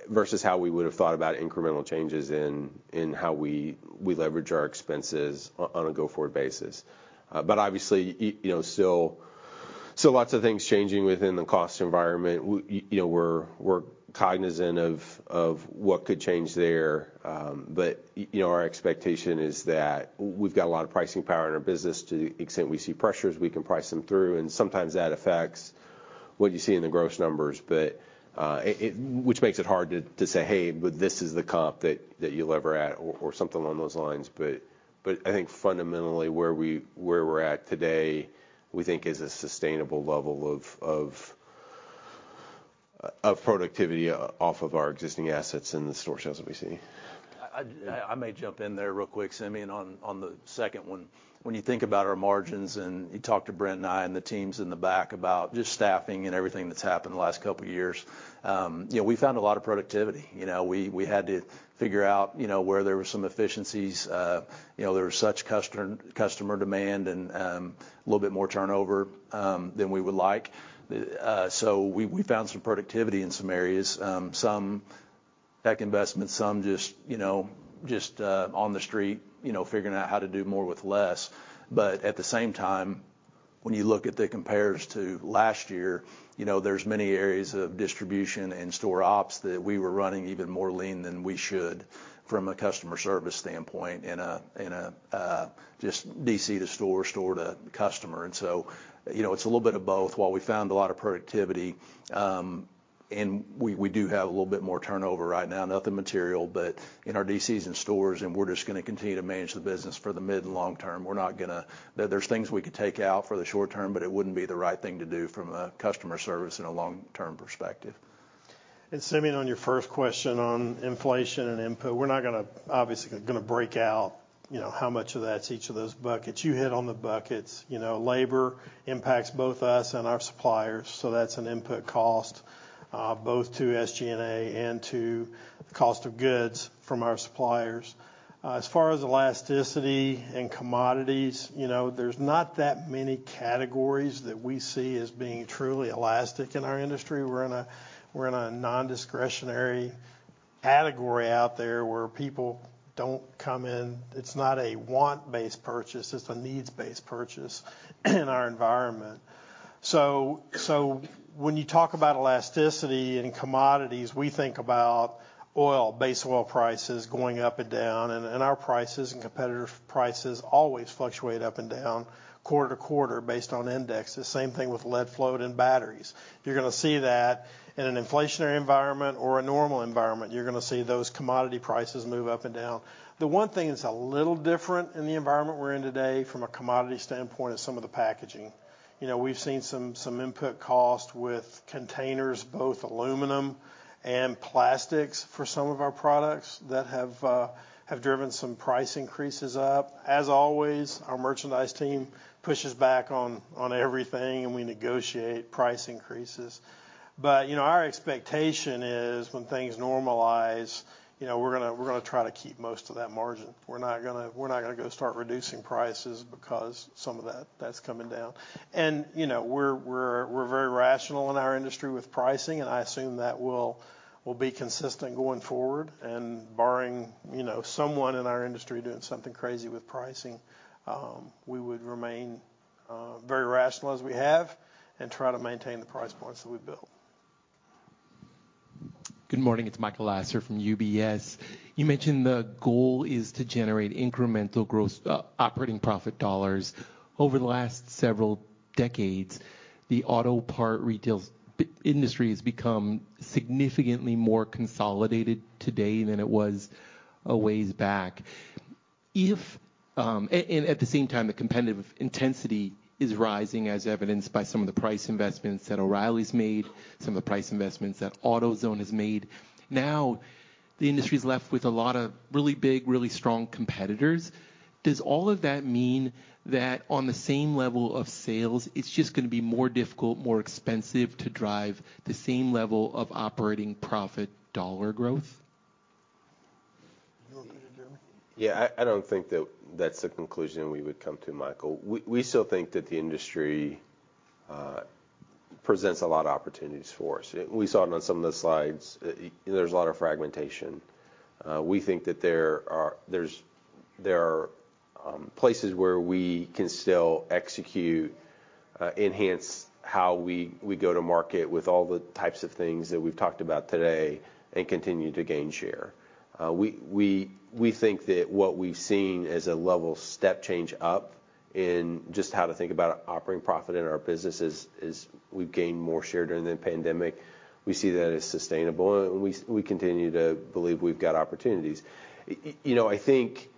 versus how we would've thought about incremental changes in how we leverage our expenses on a go forward basis. Obviously, you know, still lots of things changing within the cost environment. You know, we're cognizant of what could change there. You know, our expectation is that we've got a lot of pricing power in our business. To the extent we see pressures, we can price them through, and sometimes that affects what you see in the gross numbers. It which makes it hard to say, "Hey, this is the comp that you lever at," or something along those lines. I think fundamentally, where we're at today, we think is a sustainable level of productivity off of our existing assets and the store sales that we see. I may jump in there real quick, Simeon, on the second one. When you think about our margins, and you talk to Brent and I and the teams in the back about just staffing and everything that's happened in the last couple years, you know, we found a lot of productivity. You know, we had to figure out, you know, where there was some efficiencies. You know, there was such customer demand and a little bit more turnover than we would like. We found some productivity in some areas. Some tech investments, some just, you know, on the street, you know, figuring out how to do more with less. At the same time, when you look at the comps to last year, you know, there's many areas of distribution and store ops that we were running even more lean than we should from a customer service standpoint in just DC to store to customer. You know, it's a little bit of both. While we found a lot of productivity, and we do have a little bit more turnover right now, nothing material, but in our DCs and stores, and we're just gonna continue to manage the business for the mid and long term. We're not gonna. There's things we could take out for the short term, but it wouldn't be the right thing to do from a customer service and a long-term perspective. Simeon, on your first question on inflation and input, we're not gonna, obviously, break out, you know, how much of that's each of those buckets. You hit on the buckets. You know, labor impacts both us and our suppliers, so that's an input cost both to SG&A and to cost of goods from our suppliers. As far as elasticity and commodities, you know, there's not that many categories that we see as being truly elastic in our industry. We're in a nondiscretionary category out there where people don't come in. It's not a want-based purchase, it's a needs-based purchase in our environment. So when you talk about elasticity and commodities, we think about oil, base oil prices going up and down, and our prices and competitor prices always fluctuate up and down quarter to quarter based on indexes. Same thing with lead float and batteries. You're gonna see that in an inflationary environment or a normal environment. You're gonna see those commodity prices move up and down. The one thing that's a little different in the environment we're in today from a commodity standpoint is some of the packaging. You know, we've seen some input cost with containers, both aluminum and plastics, for some of our products that have driven some price increases up. As always, our merchandise team pushes back on everything, and we negotiate price increases. You know, our expectation is when things normalize, you know, we're gonna try to keep most of that margin. We're not gonna go start reducing prices because some of that that's coming down. You know, we're very rational in our industry with pricing, and I assume that will be consistent going forward. Barring, you know, someone in our industry doing something crazy with pricing, we would remain very rational as we have and try to maintain the price points that we've built. Good morning. It's Michael Lasser from UBS. You mentioned the goal is to generate incremental gross operating profit dollars. Over the last several decades, the auto parts retail industry has become significantly more consolidated today than it was a ways back. At the same time, the competitive intensity is rising, as evidenced by some of the price investments that O'Reilly's made, some of the price investments that AutoZone has made. Now the industry's left with a lot of really big, really strong competitors. Does all of that mean that on the same level of sales, it's just gonna be more difficult, more expensive to drive the same level of operating profit dollar growth? You want me to, Jeremy? Yeah, I don't think that that's the conclusion we would come to, Michael. We still think that the industry presents a lot of opportunities for us. We saw it on some of the slides. There's a lot of fragmentation. We think that there are places where we can still execute, enhance how we go to market with all the types of things that we've talked about today and continue to gain share. We think that what we've seen is a level step change up in just how to think about operating profit in our business as we've gained more share during the pandemic. We see that as sustainable and we continue to believe we've got opportunities. You know, I think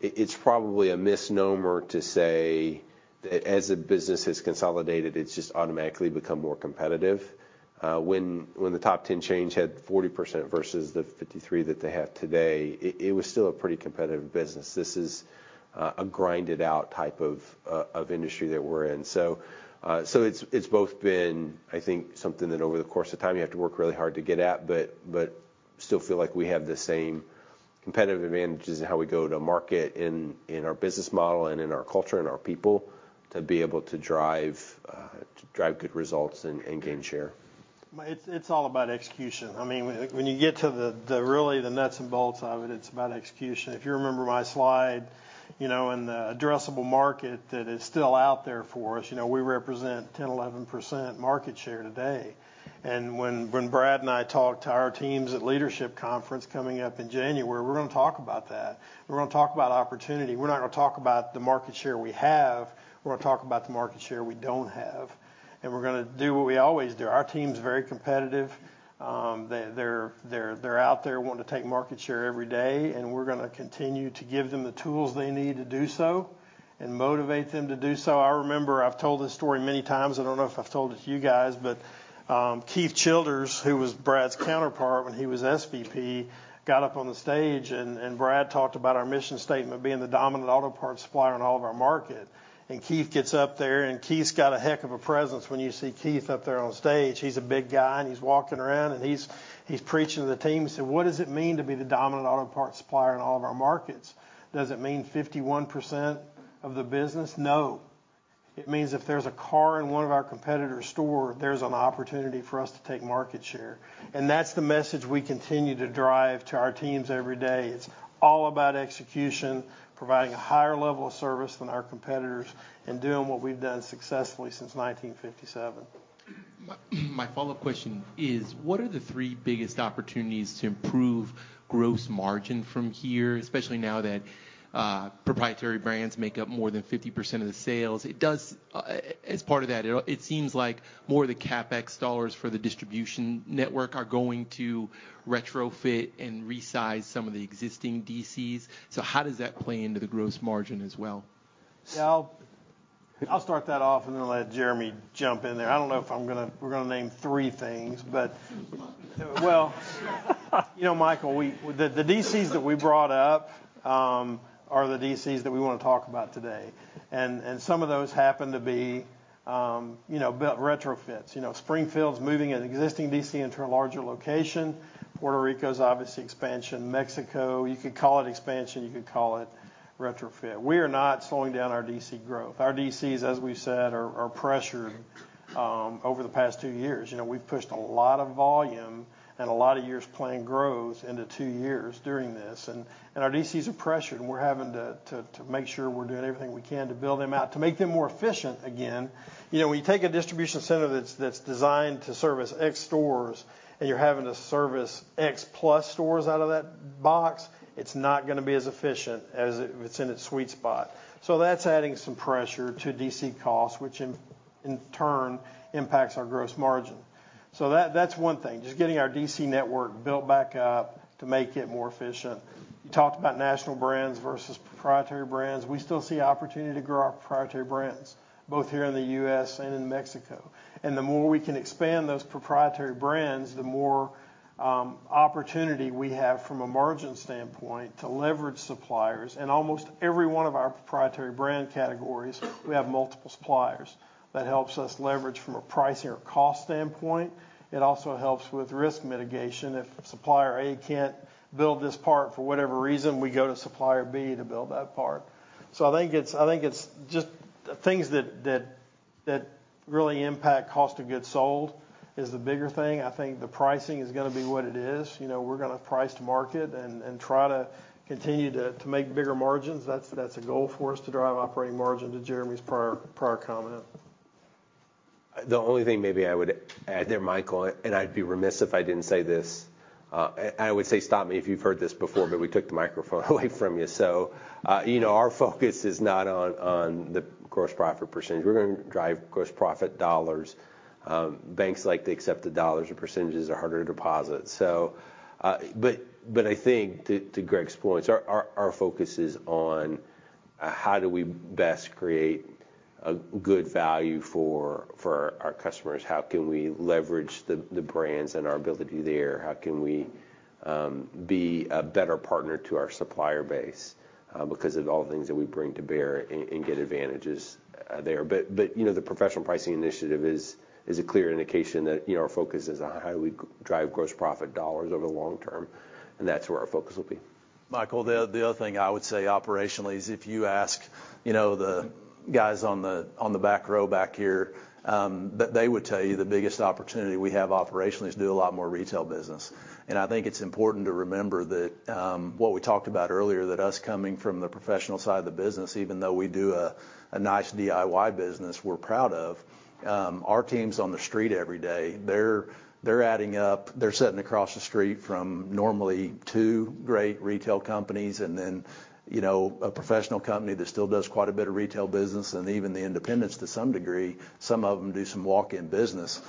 it's probably a misnomer to say that as a business has consolidated, it's just automatically become more competitive. When the top ten chains had 40% versus the 53% that they have today, it was still a pretty competitive business. This is a grind-it-out type of industry that we're in. It's both been, I think, something that over the course of time you have to work really hard to get at, but still feel like we have the same competitive advantages in how we go to market in our business model and in our culture and our people to be able to drive good results and gain share. It's all about execution. I mean, when you get to the nuts and bolts of it's about execution. If you remember my slide, you know, in the addressable market that is still out there for us, you know, we represent 10%-11% market share today. When Brad and I talk to our teams at leadership conference coming up in January, we're gonna talk about that. We're gonna talk about opportunity. We're not gonna talk about the market share we have, we're gonna talk about the market share we don't have, and we're gonna do what we always do. Our team's very competitive. They're out there wanting to take market share every day, and we're gonna continue to give them the tools they need to do so and motivate them to do so. I remember I've told this story many times. I don't know if I've told it to you guys, but Keith Childers, who was Brad's counterpart when he was SVP, got up on the stage and Brad talked about our mission statement being the dominant auto parts supplier in all of our market. Keith gets up there, and Keith's got a heck of a presence when you see Keith up there on stage. He's a big guy, and he's walking around and he's preaching to the team. He said, "What does it mean to be the dominant auto parts supplier in all of our markets? Does it mean 51% of the business? No. It means if there's a car in one of our competitors' store, there's an opportunity for us to take market share. That's the message we continue to drive to our teams every day. It's all about execution, providing a higher level of service than our competitors, and doing what we've done successfully since 1957. My follow-up question is, what are the three biggest opportunities to improve gross margin from here, especially now that proprietary brands make up more than 50% of the sales? It does, as part of that, it seems like more of the CapEx dollars for the distribution network are going to retrofit and resize some of the existing DCs. How does that play into the gross margin as well? Yeah, I'll start that off and then let Jeremy jump in there. I don't know if I'm gonna, we're gonna name three things. You know, Michael, the DCs that we brought up are the DCs that we wanna talk about today. Some of those happen to be, you know, built retrofits. You know, Springfield's moving an existing DC into a larger location. Puerto Rico's obviously expansion. Mexico, you could call it expansion, you could call it retrofit. We are not slowing down our DC growth. Our DCs, as we've said, are pressured over the past two years. You know, we've pushed a lot of volume and a lot of years' planned growth into two years during this. Our DCs are pressured, and we're having to make sure we're doing everything we can to build them out, to make them more efficient again. You know, when you take a distribution center that's designed to service X stores and you're having to service X plus stores out of that box, it's not gonna be as efficient as if it's in its sweet spot. That's adding some pressure to DC costs, which in turn impacts our gross margin. That's one thing, just getting our DC network built back up to make it more efficient. You talked about national brands versus proprietary brands. We still see opportunity to grow our proprietary brands, both here in the U.S. and in Mexico. The more we can expand those proprietary brands, the more opportunity we have from a margin standpoint to leverage suppliers. In almost every one of our proprietary brand categories, we have multiple suppliers. That helps us leverage from a pricing or cost standpoint. It also helps with risk mitigation. If supplier A can't build this part for whatever reason, we go to supplier B to build that part. I think it's just things that really impact cost of goods sold is the bigger thing. I think the pricing is gonna be what it is. You know, we're gonna price to market and try to continue to make bigger margins. That's a goal for us to drive operating margin, to Jeremy's prior comment. The only thing maybe I would add there, Michael, and I'd be remiss if I didn't say this, and I would say stop me if you've heard this before, but we took the microphone away from you. You know, our focus is not on the gross profit percentage. We're gonna drive gross profit dollars. Banks like to accept the dollars. The percentages are harder to deposit. I think to Greg's points, our focus is on how do we best create a good value for our customers? How can we leverage the brands and our ability there? How can we be a better partner to our supplier base, because of all the things that we bring to bear and get advantages there. You know, the professional pricing initiative is a clear indication that, you know, our focus is on how we drive gross profit dollars over the long term, and that's where our focus will be. Michael, the other thing I would say operationally is if you ask, you know, the guys on the back row back here, that they would tell you the biggest opportunity we have operationally is do a lot more retail business. I think it's important to remember that, what we talked about earlier, that us coming from the professional side of the business, even though we do a nice DIY business we're proud of, our team's on the street every day. They're adding up. They're sitting across the street from normally two great retail companies, and then, you know, a professional company that still does quite a bit of retail business, and even the independents to some degree. Some of them do some walk-in business.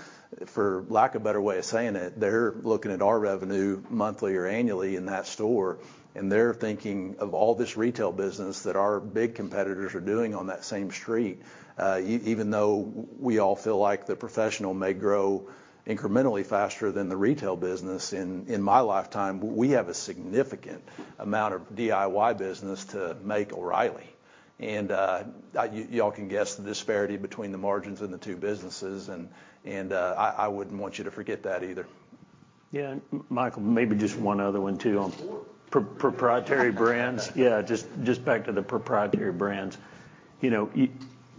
For lack of a better way of saying it, they're looking at our revenue monthly or annually in that store, and they're thinking of all this retail business that our big competitors are doing on that same street. Even though we all feel like the professional may grow incrementally faster than the retail business, in my lifetime, we have a significant amount of DIY business to make O'Reilly. Y'all can guess the disparity between the margins and the two businesses and I wouldn't want you to forget that either. Yeah. Michael, maybe just one other one too on. Sure. Proprietary brands. Yeah, just back to the proprietary brands. You know,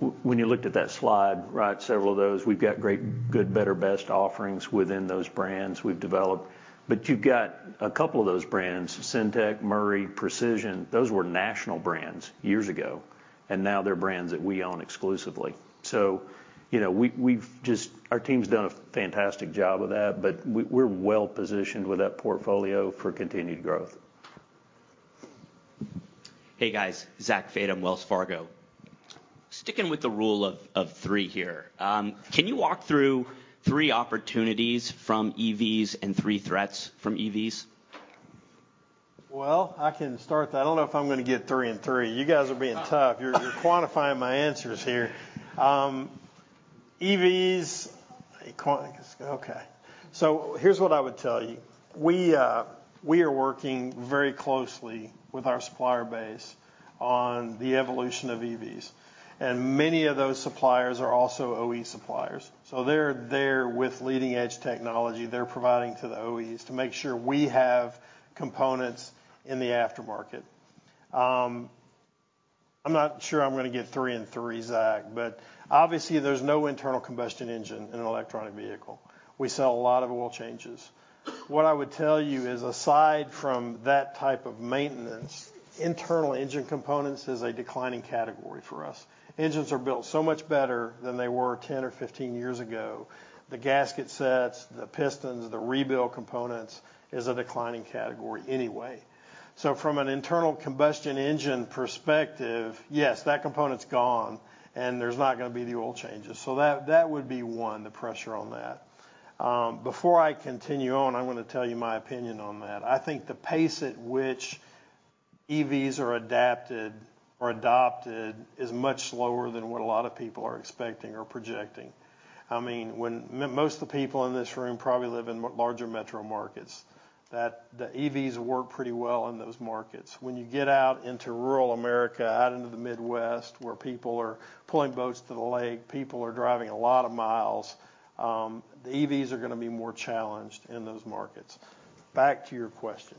when you looked at that slide, right? Several of those, we've got great, good, better, best offerings within those brands we've developed. But you've got a couple of those brands, Syntec, Murray, Precision, those were national brands years ago, and now they're brands that we own exclusively. So, you know, we've just. Our team's done a fantastic job of that, but we're well-positioned with that portfolio for continued growth. Hey, guys. Zachary Fadem, Wells Fargo. Sticking with the rule of three here, can you walk through three opportunities from EVs and three threats from EVs? Well, I can start that. I don't know if I'm gonna get three and three. You guys are being tough. You're quantifying my answers here. EVs. Okay. Here's what I would tell you. We are working very closely with our supplier base on the evolution of EVs, and many of those suppliers are also OE suppliers, so they're there with leading-edge technology they're providing to the OEs to make sure we have components in the aftermarket. I'm not sure I'm gonna get three and three, Zach, but obviously, there's no internal combustion engine in an electric vehicle. We sell a lot of oil changes. What I would tell you is, aside from that type of maintenance, internal engine components is a declining category for us. Engines are built so much better than they were 10 or 15 years ago. The gasket sets, the pistons, the rebuild components is a declining category anyway. From an internal combustion engine perspective, yes, that component's gone, and there's not gonna be the oil changes. That would be one, the pressure on that. Before I continue on, I'm gonna tell you my opinion on that. I think the pace at which EVs are adapted or adopted is much slower than what a lot of people are expecting or projecting. I mean, when most of the people in this room probably live in larger metro markets that the EVs work pretty well in those markets. When you get out into rural America, out into the Midwest, where people are pulling boats to the lake, people are driving a lot of miles, the EVs are gonna be more challenged in those markets. Back to your question.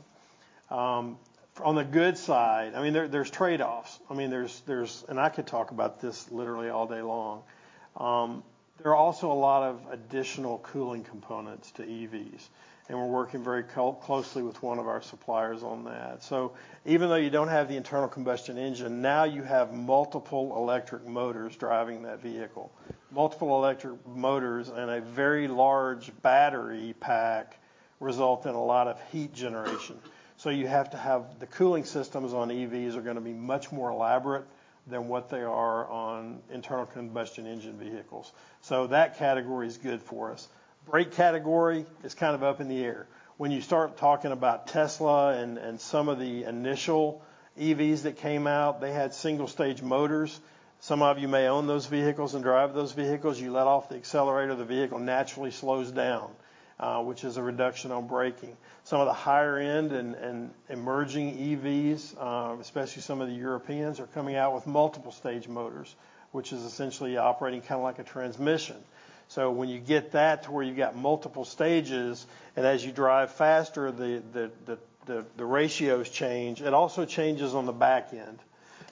On the good side, I mean, there are trade-offs. I could talk about this literally all day long. There are also a lot of additional cooling components to EVs, and we're working very closely with one of our suppliers on that. Even though you don't have the internal combustion engine, now you have multiple electric motors driving that vehicle. Multiple electric motors and a very large battery pack result in a lot of heat generation. You have to have the cooling systems on EVs are gonna be much more elaborate than what they are on internal combustion engine vehicles. That category is good for us. Brake category is kind of up in the air. When you start talking about Tesla and some of the initial EVs that came out, they had single-stage motors. Some of you may own those vehicles and drive those vehicles. You let off the accelerator, the vehicle naturally slows down, which is a reduction on braking. Some of the higher-end and emerging EVs, especially some of the Europeans, are coming out with multiple stage motors, which is essentially operating kinda like a transmission. So when you get that to where you got multiple stages and as you drive faster, the ratios change. It also changes on the back end.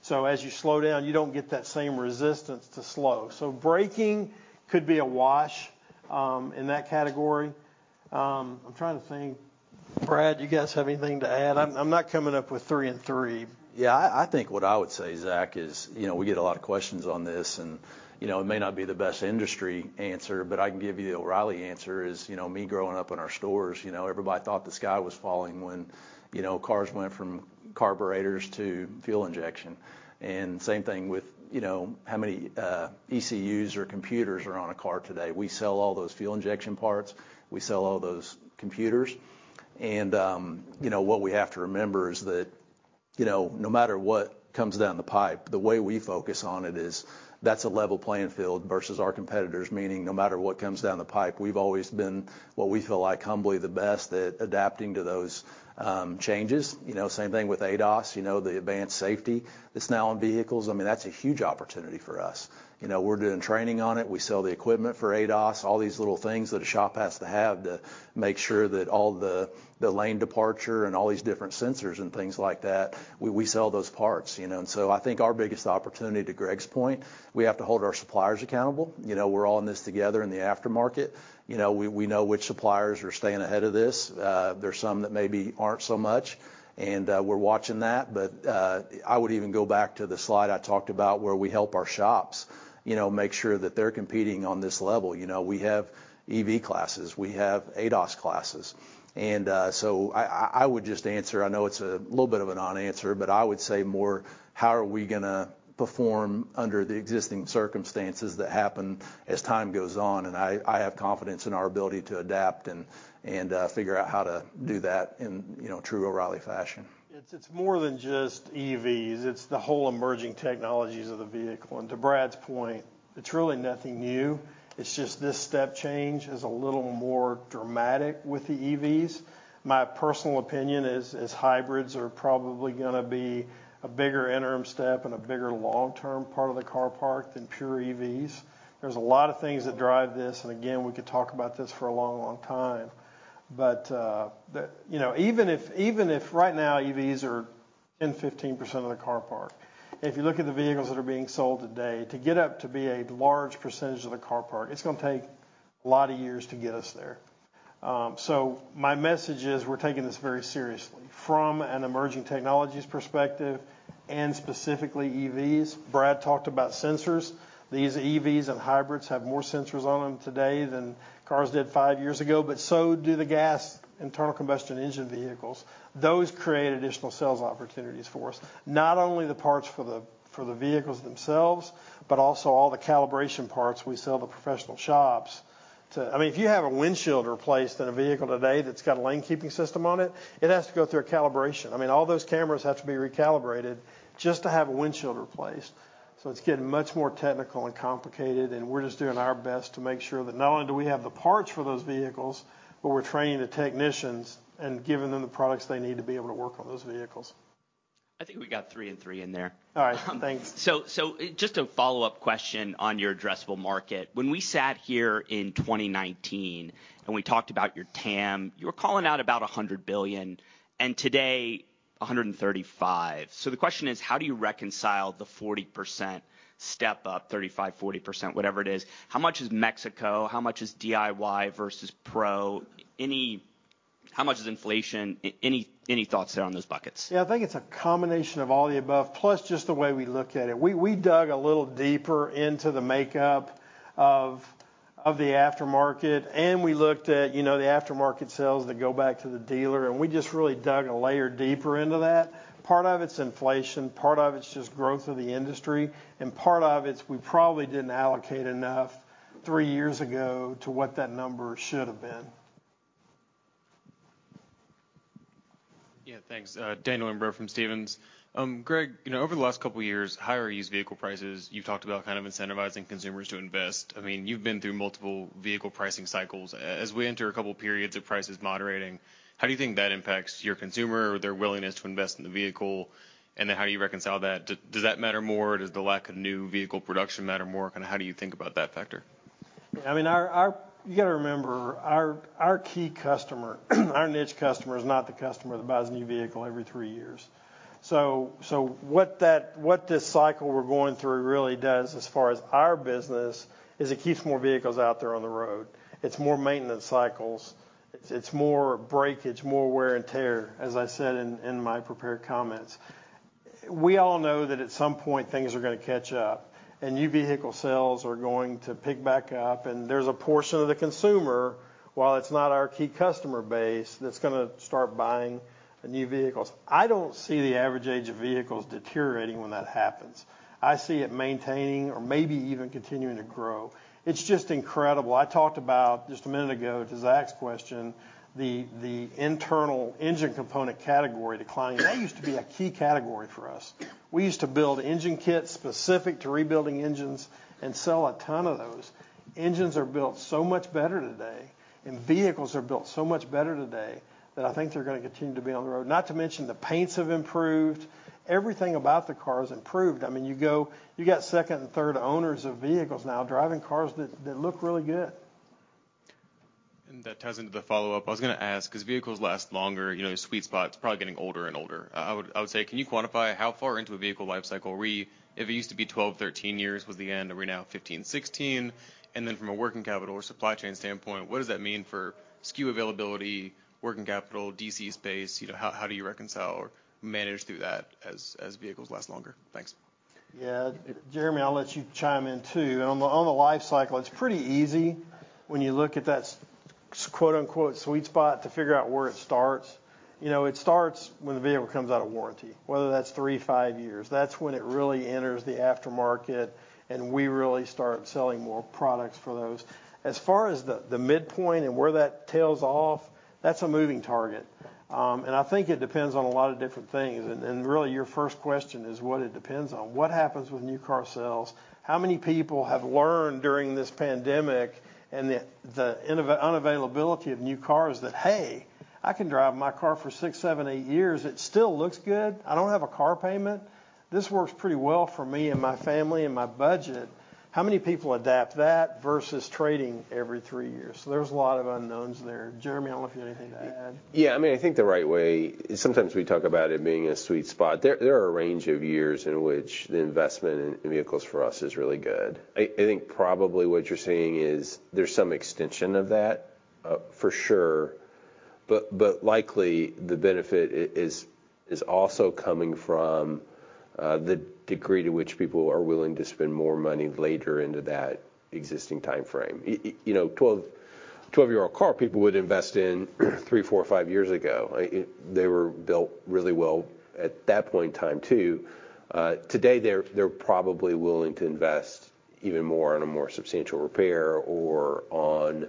So as you slow down, you don't get that same resistance to slow. So braking could be a wash in that category. I'm trying to think. Brad, you guys have anything to add? I'm not coming up with three and three. Yeah. I think what I would say, Zach, is, you know, we get a lot of questions on this and, you know, it may not be the best industry answer, but I can give you the O'Reilly answer is, you know, me growing up in our stores, you know, everybody thought the sky was falling when, you know, cars went from carburetors to fuel injection. Same thing with, you know, how many ECUs or computers are on a car today. We sell all those fuel injection parts. We sell all those computers. You know, what we have to remember is that you know, no matter what comes down the pipe, the way we focus on it is that's a level playing field versus our competitors, meaning no matter what comes down the pipe, we've always been what we feel like, humbly, the best at adapting to those changes. You know, same thing with ADAS, you know, the advanced safety that's now on vehicles. I mean, that's a huge opportunity for us. You know, we're doing training on it. We sell the equipment for ADAS. All these little things that a shop has to have to make sure that all the lane departure and all these different sensors and things like that, we sell those parts, you know. I think our biggest opportunity, to Greg's point, we have to hold our suppliers accountable. You know, we're all in this together in the aftermarket. You know, we know which suppliers are staying ahead of this. There's some that maybe aren't so much, and we're watching that. I would even go back to the slide I talked about where we help our shops, you know, make sure that they're competing on this level. You know, we have EV classes. We have ADAS classes. I would just answer, I know it's a little bit of a non-answer, but I would say more how are we gonna perform under the existing circumstances that happen as time goes on? I have confidence in our ability to adapt and figure out how to do that in, you know, true O'Reilly fashion. It's more than just EVs. It's the whole emerging technologies of the vehicle. To Brad's point, it's really nothing new. It's just this step change is a little more dramatic with the EVs. My personal opinion is hybrids are probably gonna be a bigger interim step and a bigger long-term part of the car park than pure EVs. There's a lot of things that drive this. Again, we could talk about this for a long, long time. You know, even if right now EVs are 10%-15% of the car park, if you look at the vehicles that are being sold today, to get up to be a large percentage of the car park, it's gonna take a lot of years to get us there. My message is, we're taking this very seriously from an emerging technologies perspective and specifically EVs. Brad talked about sensors. These EVs and hybrids have more sensors on them today than cars did five years ago, but so do the gas internal combustion engine vehicles. Those create additional sales opportunities for us, not only the parts for the vehicles themselves, but also all the calibration parts we sell to the professional shops. I mean, if you have a windshield replaced in a vehicle today that's got a lane keeping system on it has to go through a calibration. I mean, all those cameras have to be recalibrated just to have a windshield replaced. It's getting much more technical and complicated, and we're just doing our best to make sure that not only do we have the parts for those vehicles, but we're training the technicians and giving them the products they need to be able to work on those vehicles. I think we got three and three in there. All right. Thanks. Just a follow-up question on your addressable market. When we sat here in 2019 and we talked about your TAM, you were calling out about $100 billion, and today, $135 billion. The question is, how do you reconcile the 40% step up, 35%-40%, whatever it is? How much is Mexico? How much is DIY versus pro? Any, how much is inflation? Any thoughts there on those buckets? Yeah. I think it's a combination of all the above, plus just the way we look at it. We dug a little deeper into the makeup of the aftermarket, and we looked at, you know, the aftermarket sales that go back to the dealer, and we just really dug a layer deeper into that. Part of it's inflation, part of it's just growth of the industry, and part of it's we probably didn't allocate enough three years ago to what that number should've been. Yeah. Thanks. Daniel Imbro from Stephens. Greg, you know, over the last couple years, higher used vehicle prices, you've talked about kind of incentivizing consumers to invest. I mean, you've been through multiple vehicle pricing cycles. As we enter a couple periods of prices moderating, how do you think that impacts your consumer or their willingness to invest in the vehicle? And then how do you reconcile that? Does that matter more? Does the lack of new vehicle production matter more? How do you think about that factor? I mean, our key customer, our niche customer is not the customer that buys a new vehicle every three years. What this cycle we're going through really does as far as our business is it keeps more vehicles out there on the road. It's more maintenance cycles. It's more breakage, more wear and tear, as I said in my prepared comments. We all know that at some point things are gonna catch up, and new vehicle sales are going to pick back up, and there's a portion of the consumer, while it's not our key customer base, that's gonna start buying new vehicles. I don't see the average age of vehicles deteriorating when that happens. I see it maintaining or maybe even continuing to grow. It's just incredible. I talked about, just a minute ago to Zach's question, the internal engine component category declining. That used to be a key category for us. We used to build engine kits specific to rebuilding engines and sell a ton of those. Engines are built so much better today, and vehicles are built so much better today, that I think they're gonna continue to be on the road. Not to mention the paints have improved. Everything about the car is improved. I mean, you go, you get second and third owners of vehicles now driving cars that look really good. That ties into the follow-up. I was gonna ask, as vehicles last longer, you know, your sweet spot's probably getting older and older. I would say, can you quantify how far into a vehicle lifecycle are we? If it used to be 12, 13 years was the end, are we now 15, 16? From a working capital or supply chain standpoint, what does that mean for SKU availability, working capital, DC space? You know, how do you reconcile or manage through that as vehicles last longer? Thanks. Yeah. Jeremy, I'll let you chime in too. On the lifecycle, it's pretty easy when you look at that quote unquote sweet spot to figure out where it starts. You know, it starts when the vehicle comes out of warranty, whether that's three, five years. That's when it really enters the aftermarket and we really start selling more products for those. As far as the midpoint and where that tails off. That's a moving target. I think it depends on a lot of different things, and really, your first question is what it depends on. What happens with new car sales? How many people have learned during this pandemic, and the unavailability of new cars that, "Hey, I can drive my car for six, seven, eight years, it still looks good. I don't have a car payment. This works pretty well for me and my family and my budget." How many people adapt that versus trading every three years? There's a lot of unknowns there. Jeremy, I don't know if you have anything to add. Yeah, I mean, I think the right way. Sometimes we talk about it being a sweet spot. There are a range of years in which the investment in vehicles for us is really good. I think probably what you're seeing is there's some extension of that, for sure, but likely the benefit is also coming from the degree to which people are willing to spend more money later into that existing timeframe. You know, 12-year-old car people would invest in three, four, five years ago. They were built really well at that point in time, too. Today they're probably willing to invest even more on a more substantial repair or on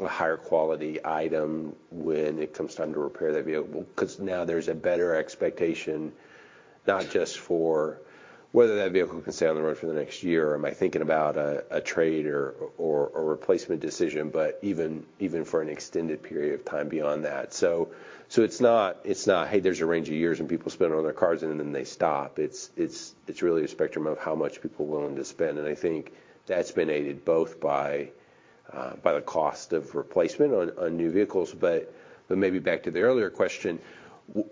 a higher quality item when it comes time to repair that vehicle, well, 'cause now there's a better expectation not just for whether that vehicle can stay on the road for the next year or a trade or a replacement decision, but even for an extended period of time beyond that. It's not, hey, there's a range of years and people spend on their cars and then they stop. It's really a spectrum of how much people are willing to spend, and I think that's been aided both by the cost of replacement on new vehicles. Maybe back to the earlier question,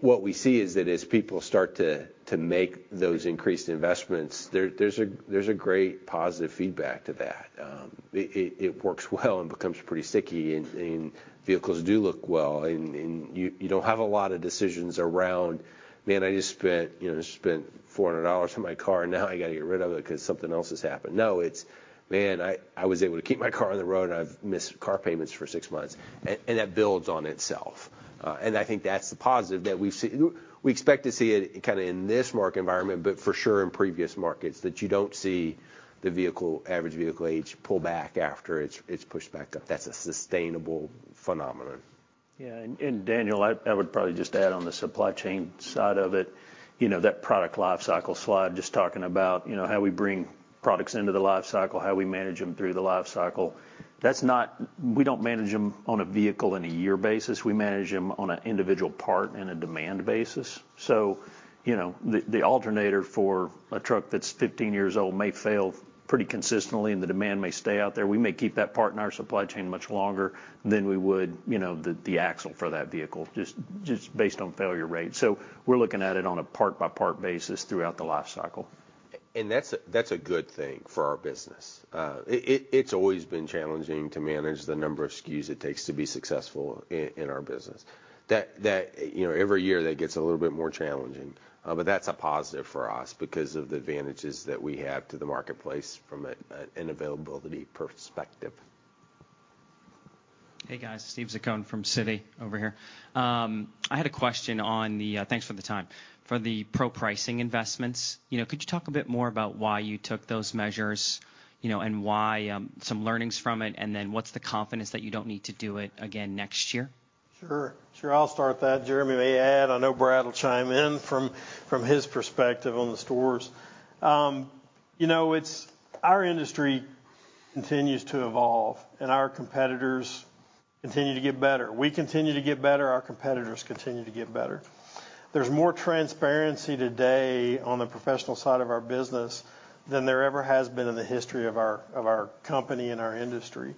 what we see is that as people start to make those increased investments, there's a great positive feedback to that. It works well and becomes pretty sticky and vehicles do look well and you don't have a lot of decisions around, "Man, I just spent, you know, $400 on my car. Now I gotta get rid of it 'cause something else has happened." No, it's, "Man, I was able to keep my car on the road and I've missed car payments for six months." That builds on itself. I think that's the positive that we've seen. We expect to see it kinda in this market environment, but for sure in previous markets that you don't see the average vehicle age pull back after it's pushed back up. That's a sustainable phenomenon. Daniel, I would probably just add on the supply chain side of it, you know, that product lifecycle slide, just talking about, you know, how we bring products into the lifecycle, how we manage them through the lifecycle. We don't manage them on a vehicle in a year basis. We manage them on a individual part and a demand basis. You know, the alternator for a truck that's 15 years old may fail pretty consistently, and the demand may stay out there. We may keep that part in our supply chain much longer than we would, you know, the axle for that vehicle, just based on failure rate. We're looking at it on a part by part basis throughout the lifecycle. That's a good thing for our business. It's always been challenging to manage the number of SKUs it takes to be successful in our business. That, you know, every year that gets a little bit more challenging. That's a positive for us because of the advantages that we have to the marketplace from an availability perspective. Hey, guys. Steven Zaccone from Citi over here. I had a question. Thanks for the time. For the pro-pricing investments, you know, could you talk a bit more about why you took those measures, you know, and why some learnings from it, and then what's the confidence that you don't need to do it again next year? Sure. I'll start that. Jeremy may add. I know Brad will chime in from his perspective on the stores. You know, our industry continues to evolve and our competitors continue to get better. We continue to get better, our competitors continue to get better. There's more transparency today on the professional side of our business than there ever has been in the history of our company and our industry.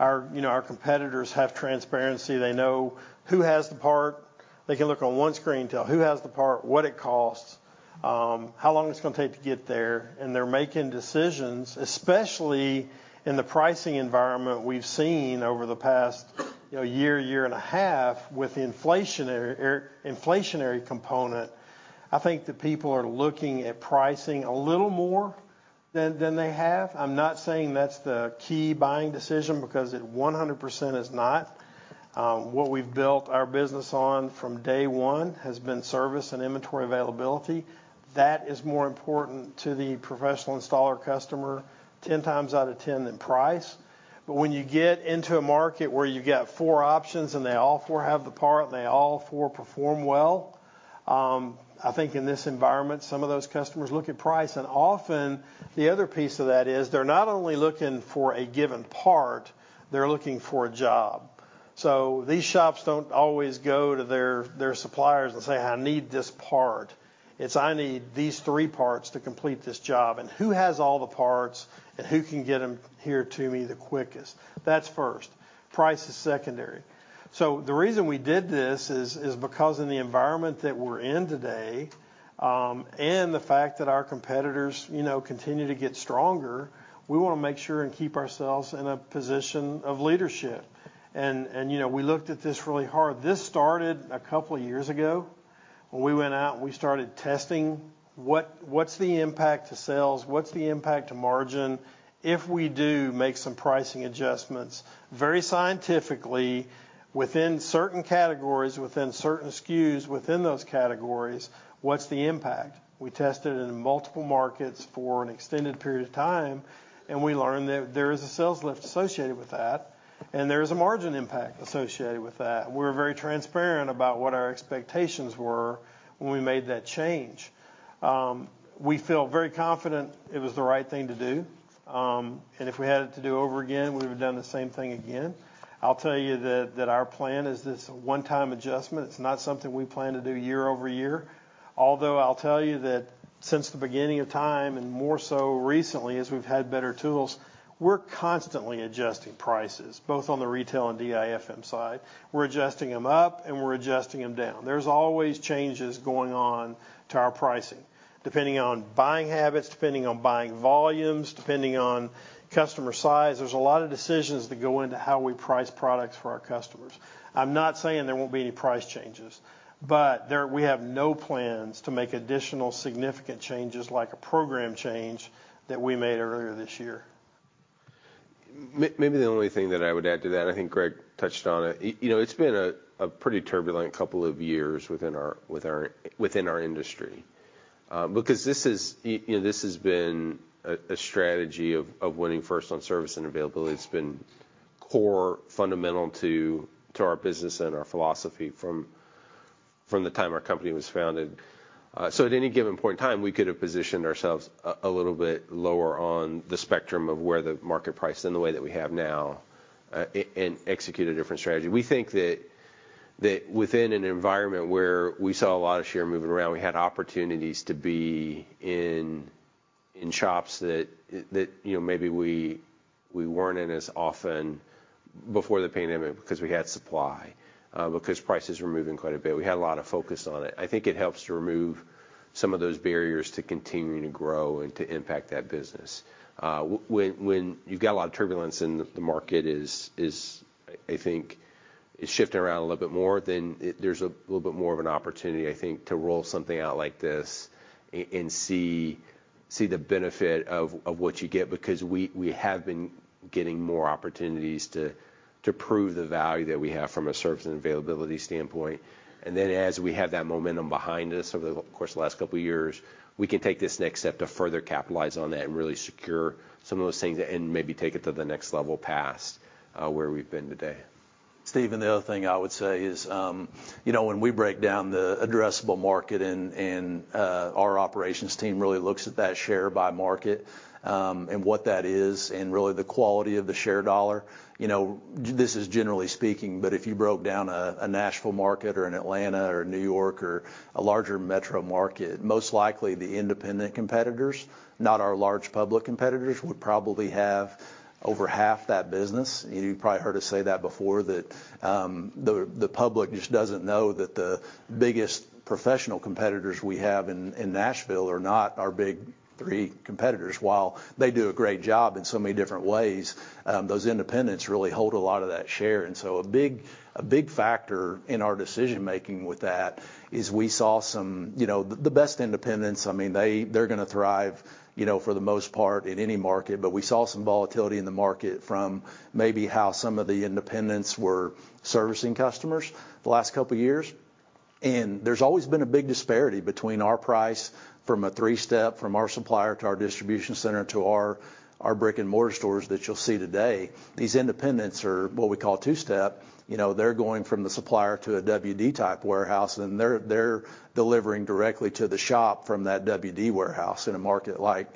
You know, our competitors have transparency. They know who has the part. They can look on one screen, tell who has the part, what it costs, how long it's gonna take to get there, and they're making decisions, especially in the pricing environment we've seen over the past year and a half with the inflationary component. I think the people are looking at pricing a little more than they have. I'm not saying that's the key buying decision because it 100% is not. What we've built our business on from day one has been service and inventory availability. That is more important to the professional installer customer ten times out of ten than price. But when you get into a market where you got four options and they all four have the part and they all four perform well, I think in this environment, some of those customers look at price. Often the other piece of that is they're not only looking for a given part, they're looking for a job. These shops don't always go to their suppliers and say, "I need this part." It's, "I need these three parts to complete this job, and who has all the parts, and who can get them here to me the quickest?" That's first. Price is secondary. The reason we did this is because in the environment that we're in today, and the fact that our competitors, you know, continue to get stronger, we wanna make sure and keep ourselves in a position of leadership. You know, we looked at this really hard. This started a couple years ago when we went out and we started testing what's the impact to sales, what's the impact to margin if we do make some pricing adjustments very scientifically within certain categories, within certain SKUs within those categories, what's the impact? We tested it in multiple markets for an extended period of time, and we learned that there is a sales lift associated with that, and there is a margin impact associated with that. We're very transparent about what our expectations were when we made that change. We feel very confident it was the right thing to do. If we had it to do over again, we would've done the same thing again. I'll tell you that our plan is this one-time adjustment. It's not something we plan to do year over year. Although, I'll tell you that since the beginning of time, and more so recently as we've had better tools, we're constantly adjusting prices, both on the retail and DIFM side. We're adjusting them up, and we're adjusting them down. There's always changes going on to our pricing, depending on buying habits, depending on buying volumes, depending on customer size. There's a lot of decisions that go into how we price products for our customers. I'm not saying there won't be any price changes, but there, we have no plans to make additional significant changes like a program change that we made earlier this year. Maybe the only thing that I would add to that, I think Greg touched on it. You know, it's been a pretty turbulent couple of years within our industry. Because this is, you know, this has been a strategy of winning first on service and availability. It's been core fundamental to our business and our philosophy from the time our company was founded. So at any given point in time, we could have positioned ourselves a little bit lower on the spectrum of where the market price in the way that we have now, and execute a different strategy. We think that within an environment where we saw a lot of share moving around, we had opportunities to be in shops that, you know, maybe we weren't in as often before the pandemic because we had supply, because prices were moving quite a bit. We had a lot of focus on it. I think it helps to remove some of those barriers to continuing to grow and to impact that business. When you've got a lot of turbulence and the market is, I think it's shifting around a little bit more, then there's a little bit more of an opportunity, I think, to roll something out like this and see the benefit of what you get because we have been getting more opportunities to prove the value that we have from a service and availability standpoint. As we have that momentum behind us over the course of the last couple of years, we can take this next step to further capitalize on that and really secure some of those things and maybe take it to the next level past where we've been today. Steven, the other thing I would say is, you know, when we break down the addressable market and our operations team really looks at that share by market, and what that is and really the quality of the share dollar, you know, this is generally speaking, but if you broke down a Nashville market or an Atlanta or New York or a larger metro market, most likely the independent competitors, not our large public competitors, would probably have over half that business. You probably heard us say that before, that the public just doesn't know that the biggest professional competitors we have in Nashville are not our big three competitors. While they do a great job in so many different ways, those independents really hold a lot of that share. A big factor in our decision-making with that is we saw some, you know, the best independents, I mean, they're gonna thrive, you know, for the most part in any market. We saw some volatility in the market from maybe how some of the independents were servicing customers the last couple of years. There's always been a big disparity between our price from a three-step, from our supplier to our distribution center to our brick-and-mortar stores that you'll see today. These independents are what we call two-step. You know, they're going from the supplier to a WD-type warehouse, and they're delivering directly to the shop from that WD warehouse in a market like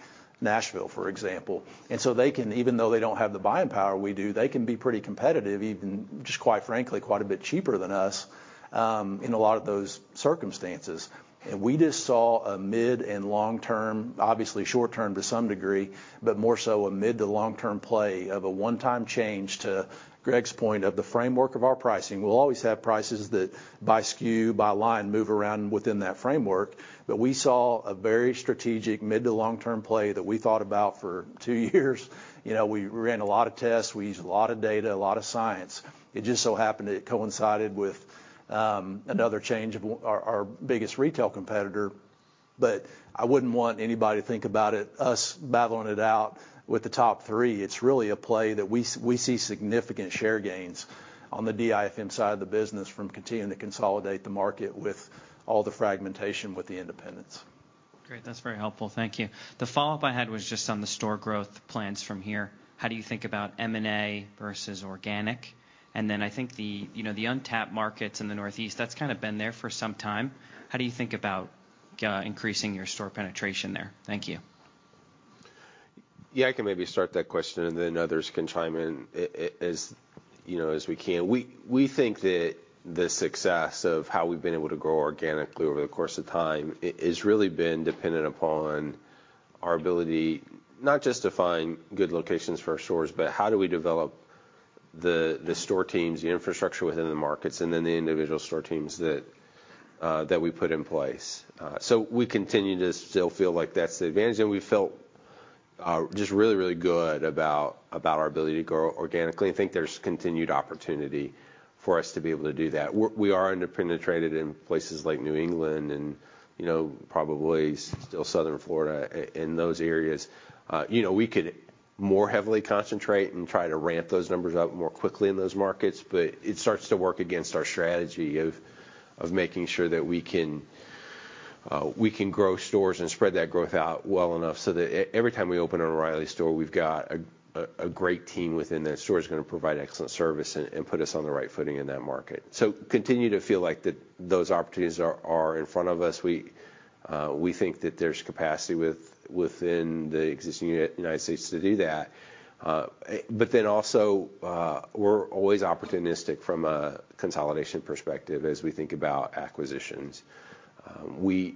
Nashville, for example. They can, even though they don't have the buying power we do, they can be pretty competitive, even just quite frankly, quite a bit cheaper than us, in a lot of those circumstances. We just saw a mid and long-term, obviously short-term to some degree, but more so a mid to long-term play of a one-time change, to Greg's point, of the framework of our pricing. We'll always have prices that by SKU, by line, move around within that framework. We saw a very strategic mid to long-term play that we thought about for two years. You know, we ran a lot of tests. We used a lot of data, a lot of science. It just so happened it coincided with another change of our biggest retail competitor. I wouldn't want anybody to think about it, us battling it out with the top three. It's really a play that we see significant share gains on the DIFM side of the business from continuing to consolidate the market with all the fragmentation with the independents. Great. That's very helpful. Thank you. The follow-up I had was just on the store growth plans from here. How do you think about M&A versus organic? I think the, you know, the untapped markets in the Northeast, that's kind of been there for some time. How do you think about increasing your store penetration there? Thank you. Yeah, I can maybe start that question and then others can chime in, you know, as we can. We think that the success of how we've been able to grow organically over the course of time has really been dependent upon our ability not just to find good locations for our stores, but how do we develop the store teams, the infrastructure within the markets, and then the individual store teams that we put in place. We continue to still feel like that's the advantage. We felt just really good about our ability to grow organically. I think there's continued opportunity for us to be able to do that. We are under-penetrated in places like New England and, you know, probably still Southern Florida, in those areas. You know, we could more heavily concentrate and try to ramp those numbers up more quickly in those markets, but it starts to work against our strategy of making sure that we can grow stores and spread that growth out well enough so that every time we open an O'Reilly store, we've got a great team within that store that's gonna provide excellent service and put us on the right footing in that market. Continue to feel like those opportunities are in front of us. We think that there's capacity within the existing United States to do that. Also, we're always opportunistic from a consolidation perspective as we think about acquisitions. We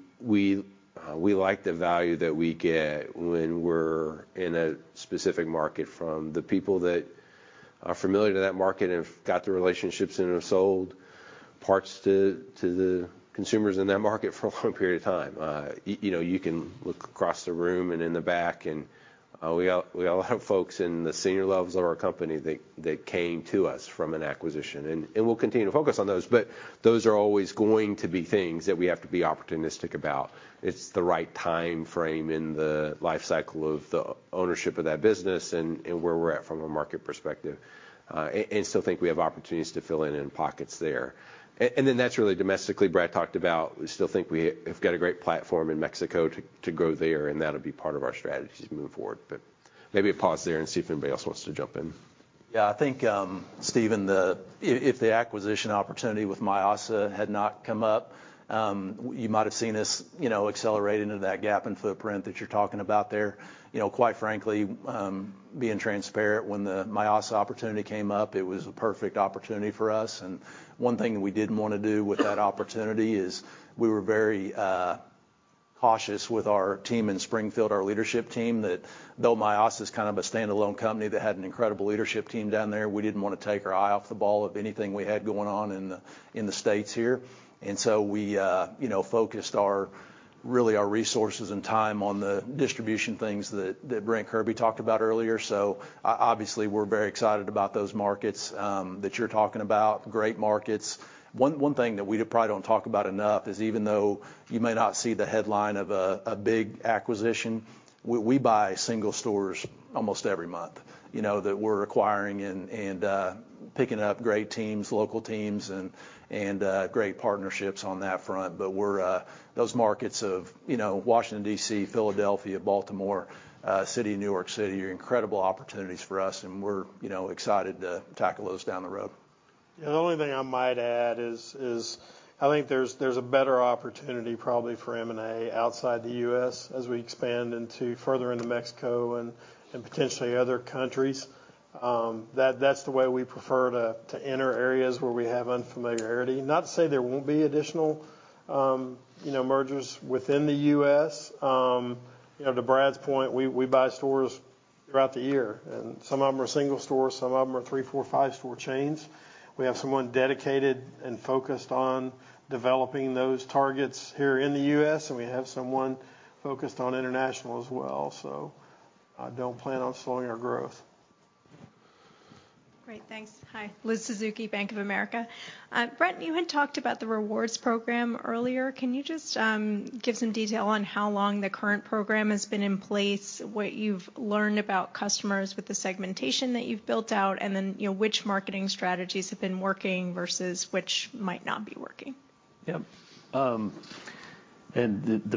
like the value that we get when we're in a specific market from the people that are familiar to that market and have got the relationships and have sold parts to the consumers in that market for a long period of time. You know, you can look across the room and in the back, and we all have folks in the senior levels of our company that came to us from an acquisition. We'll continue to focus on those, but those are always going to be things that we have to be opportunistic about. It's the right timeframe in the life cycle of the ownership of that business and where we're at from a market perspective, and still think we have opportunities to fill in pockets there. That's really domestically Brad talked about. We still think we have got a great platform in Mexico to grow there, and that'll be part of our strategy as we move forward. Maybe a pause there and see if anybody else wants to jump in. Yeah. I think, Steven, if the acquisition opportunity with Mayasa had not come up, you might have seen us, you know, accelerating into that gap in footprint that you're talking about there. You know, quite frankly, being transparent, when the Mayasa opportunity came up, it was a perfect opportunity for us. One thing that we didn't wanna do with that opportunity is we were very cautious with our team in Springfield, our leadership team, that though Mayasa's kind of a standalone company that had an incredible leadership team down there, we didn't wanna take our eye off the ball of anything we had going on in the States here. We, you know, focused really our resources and time on the distribution things that Brent Kirby talked about earlier. Obviously, we're very excited about those markets that you're talking about. Great markets. One thing that we probably don't talk about enough is even though you may not see the headline of a big acquisition, we buy single stores almost every month, you know, that we're acquiring and picking up great teams, local teams and great partnerships on that front. Those markets, you know, Washington, D.C., Philadelphia, Baltimore City, New York City are incredible opportunities for us, and we're, you know, excited to tackle those down the road. Yeah, the only thing I might add is I think there's a better opportunity probably for M&A outside the U.S. as we expand further into Mexico and potentially other countries. That's the way we prefer to enter areas where we have unfamiliarity. Not to say there won't be additional, you know, mergers within the U.S. You know, to Brad's point, we buy stores throughout the year, and some of them are single stores, some of them are three, four, five store chains. We have someone dedicated and focused on developing those targets here in the U.S., and we have someone focused on international as well. Don't plan on slowing our growth. Great. Thanks. Hi. Liz Suzuki, Bank of America. Brent, you had talked about the rewards program earlier. Can you just give some detail on how long the current program has been in place, what you've learned about customers with the segmentation that you've built out, and then, you know, which marketing strategies have been working versus which might not be working? Yeah. The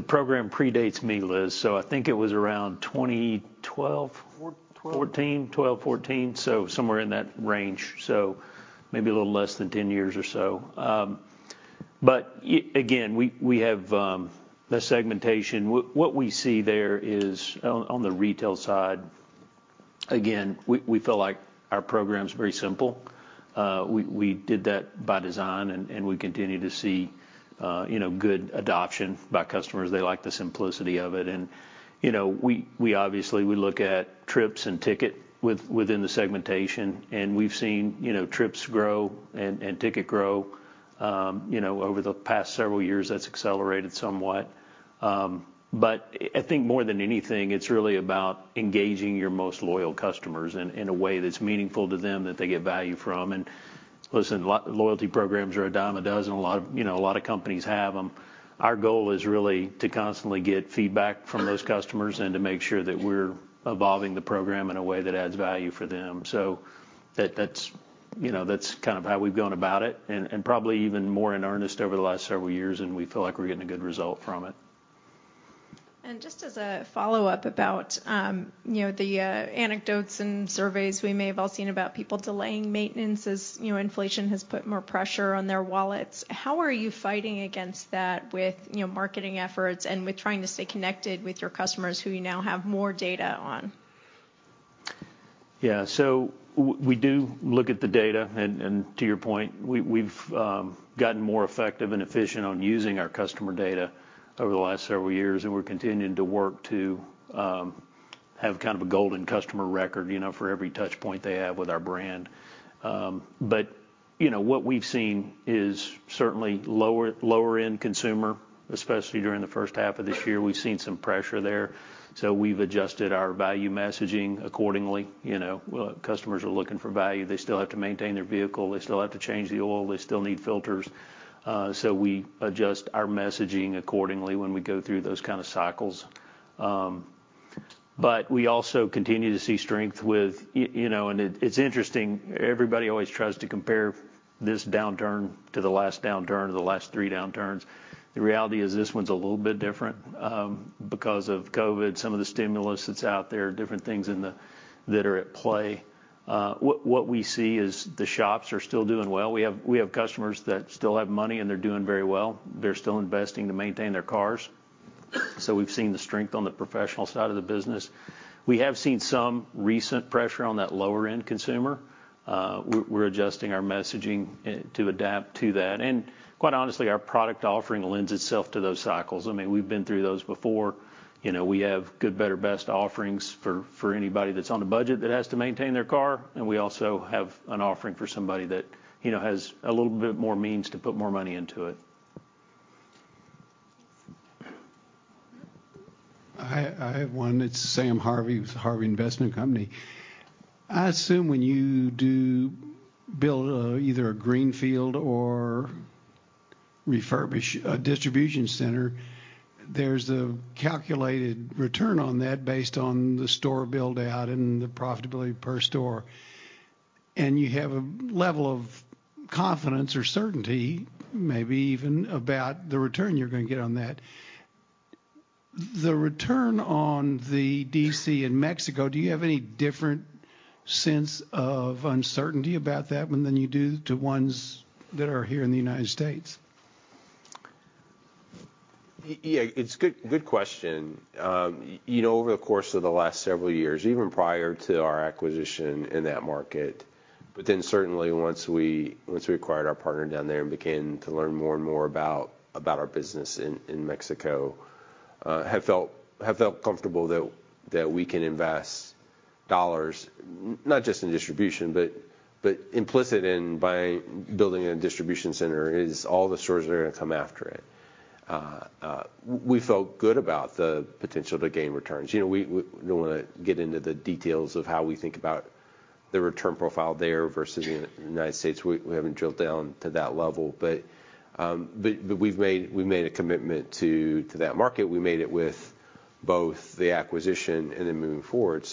program predates me, Liz, so I think it was around 2012. 14. 14. 12, 14, so somewhere in that range, so maybe a little less than 10 years or so. Again, we have the segmentation. What we see there is on the retail side, again, we feel like our program's very simple. We did that by design and we continue to see, you know, good adoption by customers. They like the simplicity of it. You know, we obviously look at trips and ticket within the segmentation. We've seen, you know, trips grow and ticket grow. You know, over the past several years, that's accelerated somewhat. I think more than anything, it's really about engaging your most loyal customers in a way that's meaningful to them that they get value from. Listen, loyalty programs are a dime a dozen. A lot of, you know, companies have them. Our goal is really to constantly get feedback from those customers and to make sure that we're evolving the program in a way that adds value for them. That, you know, that's kind of how we've gone about it and probably even more in earnest over the last several years, and we feel like we're getting a good result from it. Just as a follow-up about, you know, the anecdotes and surveys we may have all seen about people delaying maintenance as, you know, inflation has put more pressure on their wallets. How are you fighting against that with, you know, marketing efforts and with trying to stay connected with your customers who you now have more data on? Yeah. We do look at the data, and to your point, we've gotten more effective and efficient on using our customer data over the last several years, and we're continuing to work to have kind of a golden customer record, you know, for every touch point they have with our brand. You know, what we've seen is certainly lower-end consumer. Especially during the first half of this year, we've seen some pressure there, we've adjusted our value messaging accordingly. You know, customers are looking for value. They still have to maintain their vehicle. They still have to change the oil. They still need filters. We adjust our messaging accordingly when we go through those kind of cycles. We also continue to see strength with. You know, it's interesting. Everybody always tries to compare this downturn to the last downturn or the last three downturns. The reality is this one's a little bit different because of COVID, some of the stimulus that's out there, different things that are at play. What we see is the shops are still doing well. We have customers that still have money, and they're doing very well. They're still investing to maintain their cars. We've seen the strength on the professional side of the business. We have seen some recent pressure on that lower-end consumer. We're adjusting our messaging to adapt to that. Quite honestly, our product offering lends itself to those cycles. I mean, we've been through those before. You know, we have good, better, best offerings for anybody that's on a budget that has to maintain their car, and we also have an offering for somebody that, you know, has a little bit more means to put more money into it. I have one. It's Sam Harvey with Harvey Investment Company. I assume when you do build either a greenfield or refurbish a distribution center, there's a calculated return on that based on the store build-out and the profitability per store. You have a level of confidence or certainty, maybe even about the return you're gonna get on that. The return on the DC in Mexico, do you have any different sense of uncertainty about that one than you do to ones that are here in the United States? Yeah, it's a good question. You know, over the course of the last several years, even prior to our acquisition in that market, but then certainly once we acquired our partner down there and began to learn more and more about our business in Mexico, have felt comfortable that we can invest dollars not just in distribution, but implicitly by building a distribution center is all the stores that are gonna come after it. We felt good about the potential to gain returns. You know, we don't wanna get into the details of how we think about the return profile there versus in the United States. We haven't drilled down to that level. We've made a commitment to that market. We made it with both the acquisition and then moving forward.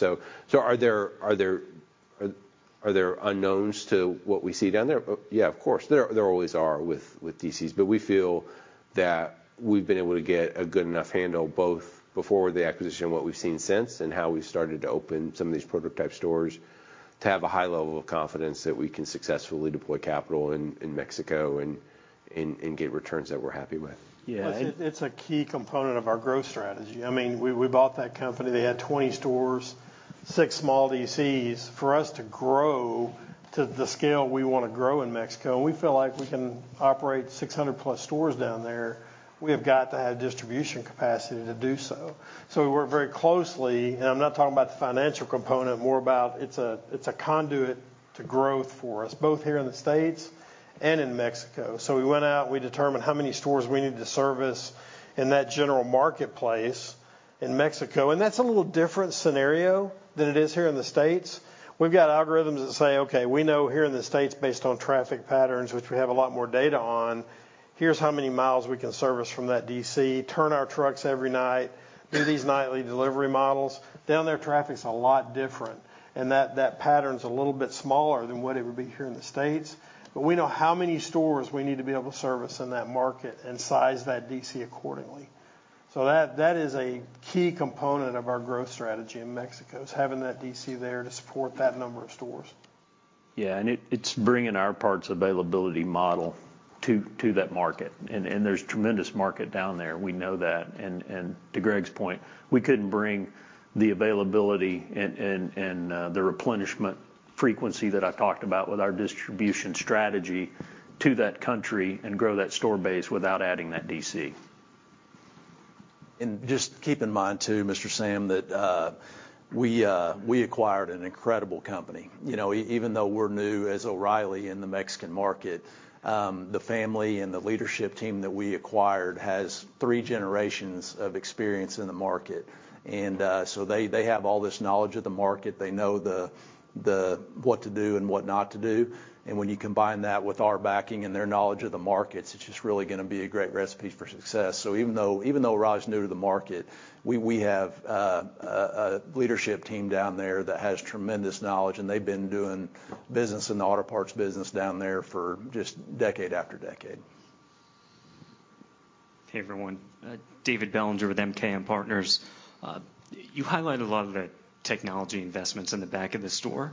Are there unknowns to what we see down there? Yeah, of course. There always are with DCs. We feel that we've been able to get a good enough handle both before the acquisition and what we've seen since and how we've started to open some of these prototype stores to have a high level of confidence that we can successfully deploy capital in Mexico and get returns that we're happy with. Yeah. It's a key component of our growth strategy. I mean, we bought that company, they had 20 stores, six small DCs. For us to grow to the scale we wanna grow in Mexico, and we feel like we can operate 600+ stores down there, we have got to have distribution capacity to do so. We work very closely, and I'm not talking about the financial component, more about it's a conduit to growth for us, both here in the States and in Mexico. We went out, we determined how many stores we need to service in that general marketplace in Mexico, and that's a little different scenario than it is here in the States. We've got algorithms that say, "Okay, we know here in the States, based on traffic patterns, which we have a lot more data on, here's how many miles we can service from that DC, turn our trucks every night, do these nightly delivery models." Down there traffic's a lot different, and that pattern's a little bit smaller than what it would be here in the States. We know how many stores we need to be able to service in that market and size that DC accordingly. That is a key component of our growth strategy in Mexico, is having that DC there to support that number of stores. Yeah, it's bringing our parts availability model to that market, and there's tremendous market down there. We know that. To Greg's point, we couldn't bring the availability and the replenishment frequency that I've talked about with our distribution strategy to that country and grow that store base without adding that DC. Just keep in mind too, Mr. Sam, that we acquired an incredible company. You know, even though we're new as O'Reilly in the Mexican market, the family and the leadership team that we acquired has three generations of experience in the market. So they have all this knowledge of the market. They know what to do and what not to do. When you combine that with our backing and their knowledge of the markets, it's just really gonna be a great recipe for success. Even though O'Reilly's new to the market, we have a leadership team down there that has tremendous knowledge, and they've been doing business in the auto parts business down there for just decade after decade. Hey, everyone. David Bellinger with MKM Partners. You highlight a lot of the technology investments in the back of the store.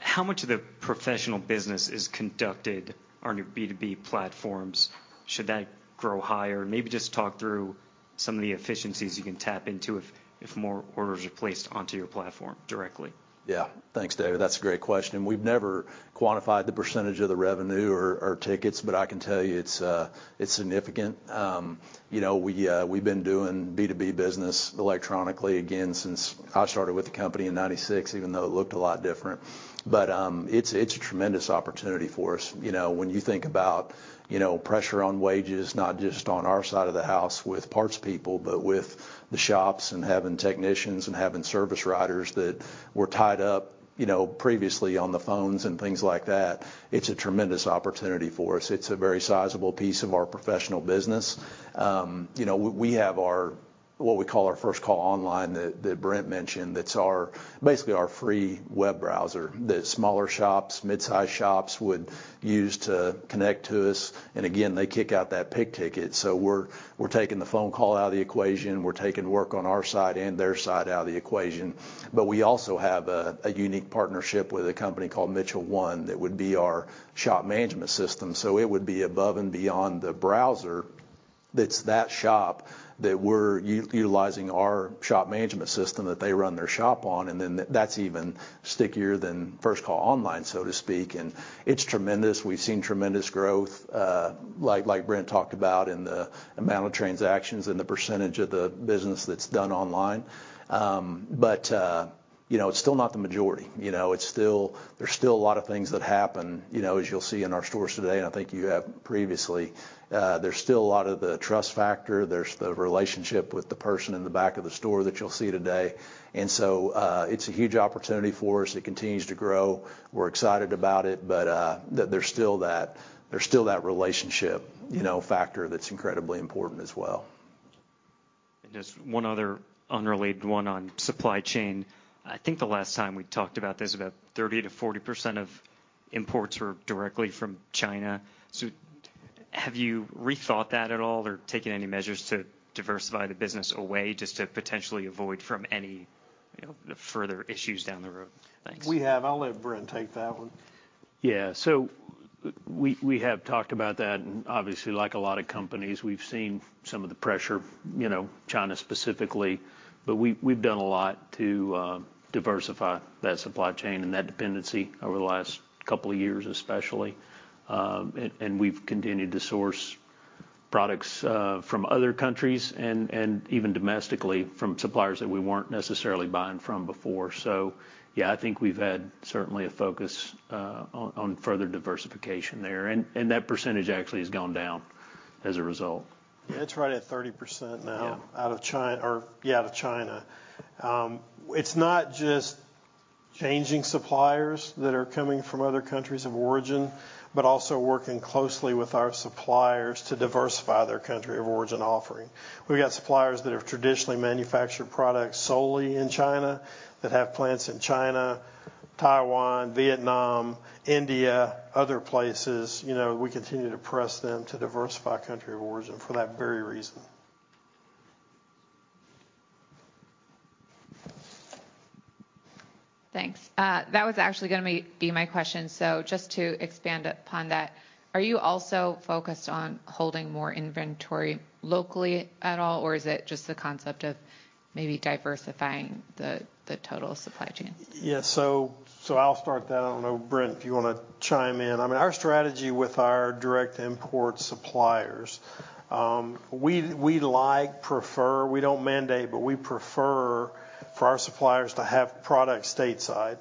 How much of the professional business is conducted on your B2B platforms? Should that grow higher? Maybe just talk through some of the efficiencies you can tap into if more orders are placed onto your platform directly. Yeah. Thanks, David. That's a great question. We've never quantified the percentage of the revenue or tickets, but I can tell you it's significant. You know, we've been doing B2B business electronically again since I started with the company in 1996, even though it looked a lot different. It's a tremendous opportunity for us. You know, when you think about pressure on wages, not just on our side of the house with parts people, but with the shops and having technicians and having service writers that were tied up previously on the phones and things like that, it's a tremendous opportunity for us. It's a very sizable piece of our professional business. You know, we have our what we FirstCallOnline that brent mentioned, that's our basically our free web browser that smaller shops, mid-size shops would use to connect to us. Again, they kick out that pick ticket. We're taking the phone call out of the equation, we're taking work on our side and their side out of the equation. We also have a unique partnership with a company called Mitchell 1 that would be our shop management system. It would be above and beyond the browser that's the shop that we're utilizing our shop management system that they run their shop on, and then that's even FirstCallOnline, so to speak. It's tremendous. We've seen tremendous growth, like Brent talked about in the amount of transactions and the percentage of the business that's done online. You know, it's still not the majority. You know, there's still a lot of things that happen, you know, as you'll see in our stores today, and I think you have previously. There's still a lot of the trust factor. There's the relationship with the person in the back of the store that you'll see today. It's a huge opportunity for us. It continues to grow. We're excited about it, but there's still that relationship, you know, factor that's incredibly important as well. Just one other unrelated one on supply chain. I think the last time we talked about this, about 30%-40% of imports were directly from China. Have you rethought that at all, or taken any measures to diversify the business away just to potentially avoid from any, you know, further issues down the road? Thanks. We have. I'll let Brent take that one. Yeah. We have talked about that, and obviously, like a lot of companies, we've seen some of the pressure, you know, China specifically. But we've done a lot to diversify that supply chain and that dependency over the last couple of years especially. And we've continued to source products from other countries and even domestically from suppliers that we weren't necessarily buying from before. Yeah, I think we've had certainly a focus on further diversification there, and that percentage actually has gone down as a result. Yeah, it's right at 30% now. Yeah out of China. It's not just changing suppliers that are coming from other countries of origin, but also working closely with our suppliers to diversify their country of origin offering. We've got suppliers that have traditionally manufactured products solely in China, that have plants in China, Taiwan, Vietnam, India, other places. You know, we continue to press them to diversify country of origin for that very reason. Thanks. That was actually gonna be my question. Just to expand upon that, are you also focused on holding more inventory locally at all, or is it just the concept of maybe diversifying the total supply chain? I'll start that. I don't know, Brent, if you wanna chime in. I mean, our strategy with our direct import suppliers, we like, prefer, we don't mandate, but we prefer for our suppliers to have product stateside.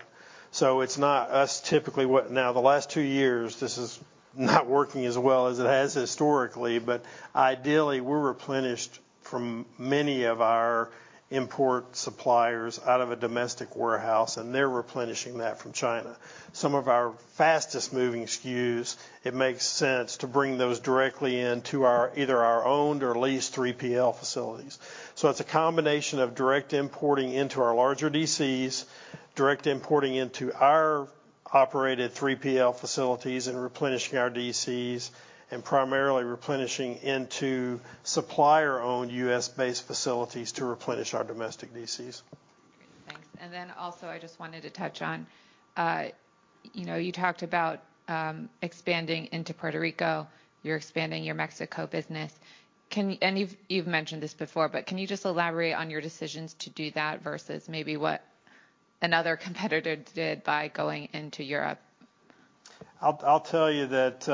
It's not us typically. Now, the last two years, this is not working as well as it has historically, but ideally, we're replenished from many of our import suppliers out of a domestic warehouse, and they're replenishing that from China. Some of our fastest moving SKUs, it makes sense to bring those directly into our, either our owned or leased 3PL facilities. It's a combination of direct importing into our larger DCs, direct importing into our operated 3PL facilities and replenishing our DCs, and primarily replenishing into supplier-owned U.S.-based facilities to replenish our domestic DCs. Great, thanks. I just wanted to touch on, you talked about, expanding into Puerto Rico. You're expanding your Mexico business. You've mentioned this before, but can you just elaborate on your decisions to do that versus maybe what another competitor did by going into Europe? I'll tell you that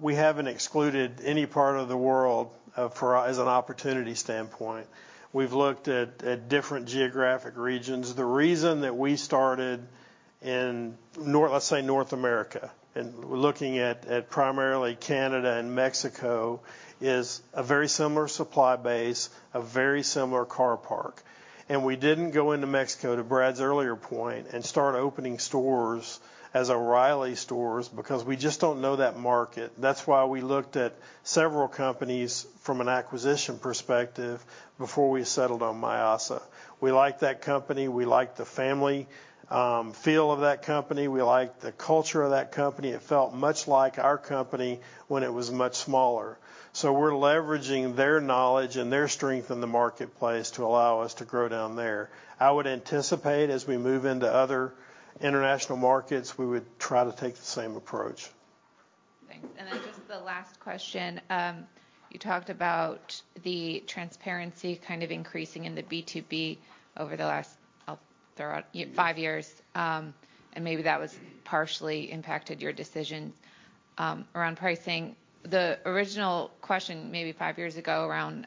we haven't excluded any part of the world from an opportunity standpoint. We've looked at different geographic regions. The reason that we started in let's say North America, looking at primarily Canada and Mexico is a very similar supply base, a very similar car parc. We didn't go into Mexico, to Brad's earlier point, and start opening stores as O'Reilly stores because we just don't know that market. That's why we looked at several companies from an acquisition perspective before we settled on Mayasa. We like that company, we like the family feel of that company, we like the culture of that company. It felt much like our company when it was much smaller. We're leveraging their knowledge and their strength in the marketplace to allow us to grow down there. I would anticipate as we move into other international markets, we would try to take the same approach. Thanks. Then just the last question. You talked about the transparency kind of increasing in the B2B over the last, I'll throw out, five years, and maybe that was partially impacted your decision around pricing. The original question maybe five years ago around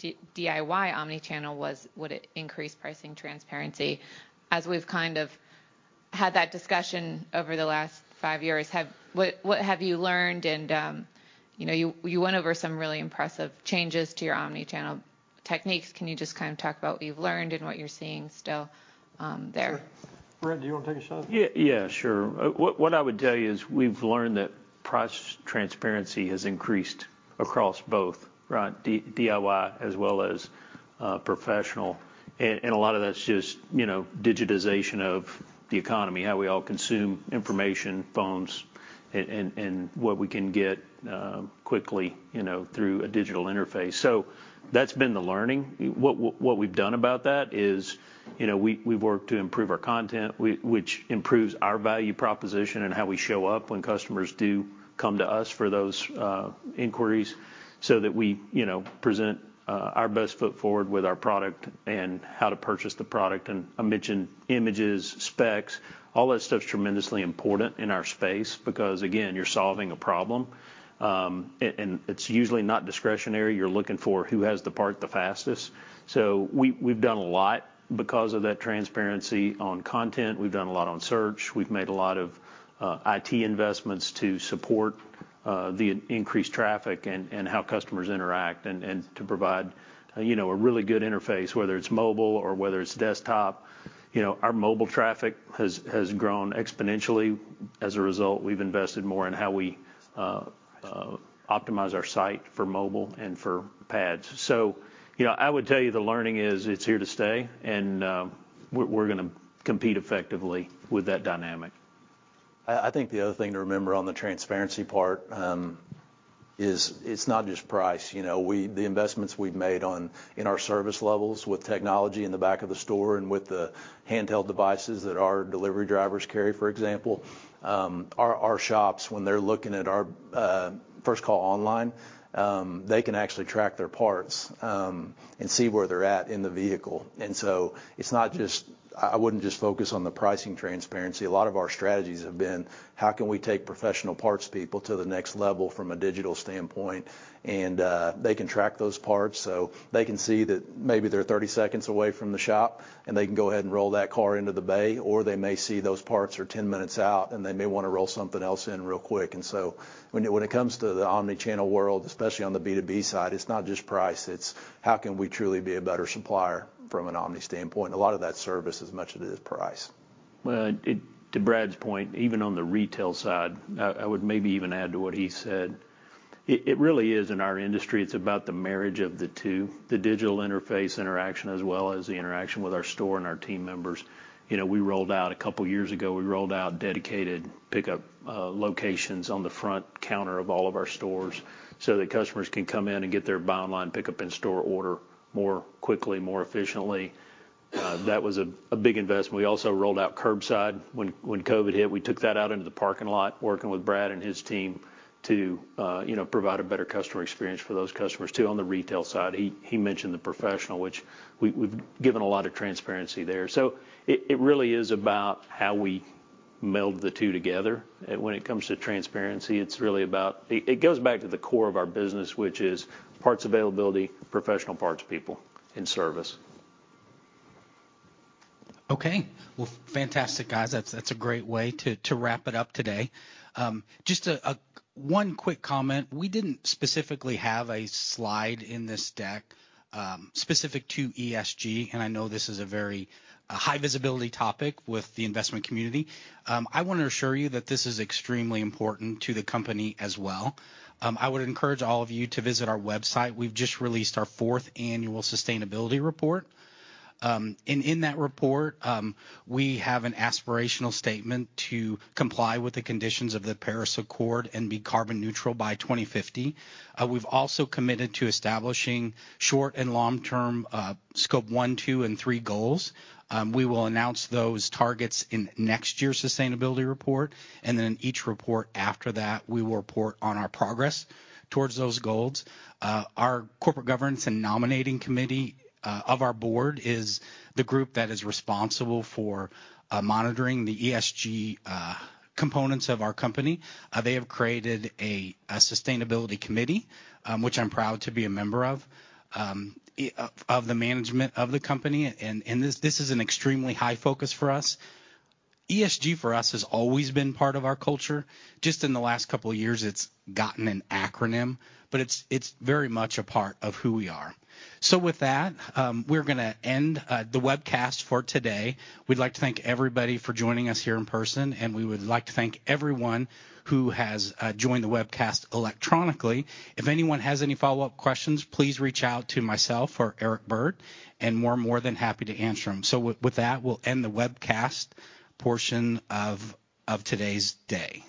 DIY omni-channel was would it increase pricing transparency? As we've kind of had that discussion over the last five years, what have you learned and, you know, you went over some really impressive changes to your omni-channel techniques. Can you just kind of talk about what you've learned and what you're seeing still there? Brent, do you wanna take a shot? Yeah, yeah, sure. What I would tell you is we've learned that price transparency has increased across both, right, DIY as well as professional. A lot of that's just, you know, digitization of the economy, how we all consume information, phones, and what we can get quickly, you know, through a digital interface. That's been the learning. What we've done about that is, you know, we've worked to improve our content, which improves our value proposition and how we show up when customers do come to us for those inquiries, so that we, you know, present our best foot forward with our product and how to purchase the product. I mentioned images, specs, all that stuff's tremendously important in our space because, again, you're solving a problem, and it's usually not discretionary. You're looking for who has the part the fastest. We've done a lot because of that transparency on content. We've done a lot on search. We've made a lot of IT investments to support the increased traffic and how customers interact and to provide, you know, a really good interface, whether it's mobile or whether it's desktop. You know, our mobile traffic has grown exponentially. As a result, we've invested more in how we optimize our site for mobile and for pads. You know, I would tell you the learning is it's here to stay, and we're gonna compete effectively with that dynamic. I think the other thing to remember on the transparency part is it's not just price. You know, the investments we've made in our service levels with technology in the back of the store and with the handheld devices that our delivery drivers carry, for example, our shops when they're looking at our FirstCallOnline, they can actually track their parts and see where they're at in the vehicle. I wouldn't just focus on the pricing transparency. A lot of our strategies have been how can we take professional parts people to the next level from a digital standpoint? They can track those parts, so they can see that maybe they're 30 seconds away from the shop, and they can go ahead and roll that car into the bay, or they may see those parts are 10 minutes out, and they may wanna roll something else in real quick. When it comes to the omni-channel world, especially on the B2B side, it's not just price, it's how can we truly be a better supplier from an omni standpoint, a lot of that service as much as it is price. Well, to Brad's point, even on the retail side, I would maybe even add to what he said, it really is in our industry, it's about the marriage of the two, the digital interface interaction as well as the interaction with our store and our team members. You know, we rolled out a couple years ago, we rolled out dedicated pickup locations on the front counter of all of our stores so that customers can come in and get their buy online pickup in store order more quickly, more efficiently. That was a big investment. We also rolled out curbside. When COVID hit, we took that out into the parking lot, working with Brad and his team to you know provide a better customer experience for those customers too. On the retail side, he mentioned the professional, which we've given a lot of transparency there. It really is about how we meld the two together. When it comes to transparency, it's really about. It goes back to the core of our business, which is parts availability, professional parts people, and service. Okay. Well, fantastic, guys. That's a great way to wrap it up today. Just one quick comment. We didn't specifically have a slide in this deck specific to ESG, and I know this is a very high visibility topic with the investment community. I wanna assure you that this is extremely important to the company as well. I would encourage all of you to visit our website. We've just released our fourth annual sustainability report. In that report, we have an aspirational statement to comply with the conditions of the Paris Agreement and be carbon neutral by 2050. We've also committed to establishing short and long-term scope one, two, and three goals. We will announce those targets in next year's sustainability report, and then each report after that, we will report on our progress towards those goals. Our corporate governance and nominating committee of our board is the group that is responsible for monitoring the ESG components of our company. They have created a sustainability committee, which I'm proud to be a member of the management of the company. This is an extremely high focus for us. ESG for us has always been part of our culture. Just in the last couple of years, it's gotten an acronym, but it's very much a part of who we are. With that, we're gonna end the webcast for today. We'd like to thank everybody for joining us here in person, and we would like to thank everyone who has joined the webcast electronically. If anyone has any follow-up questions, please reach out to myself or Eric Byrd, and we're more than happy to answer them. With that, we'll end the webcast portion of today's day.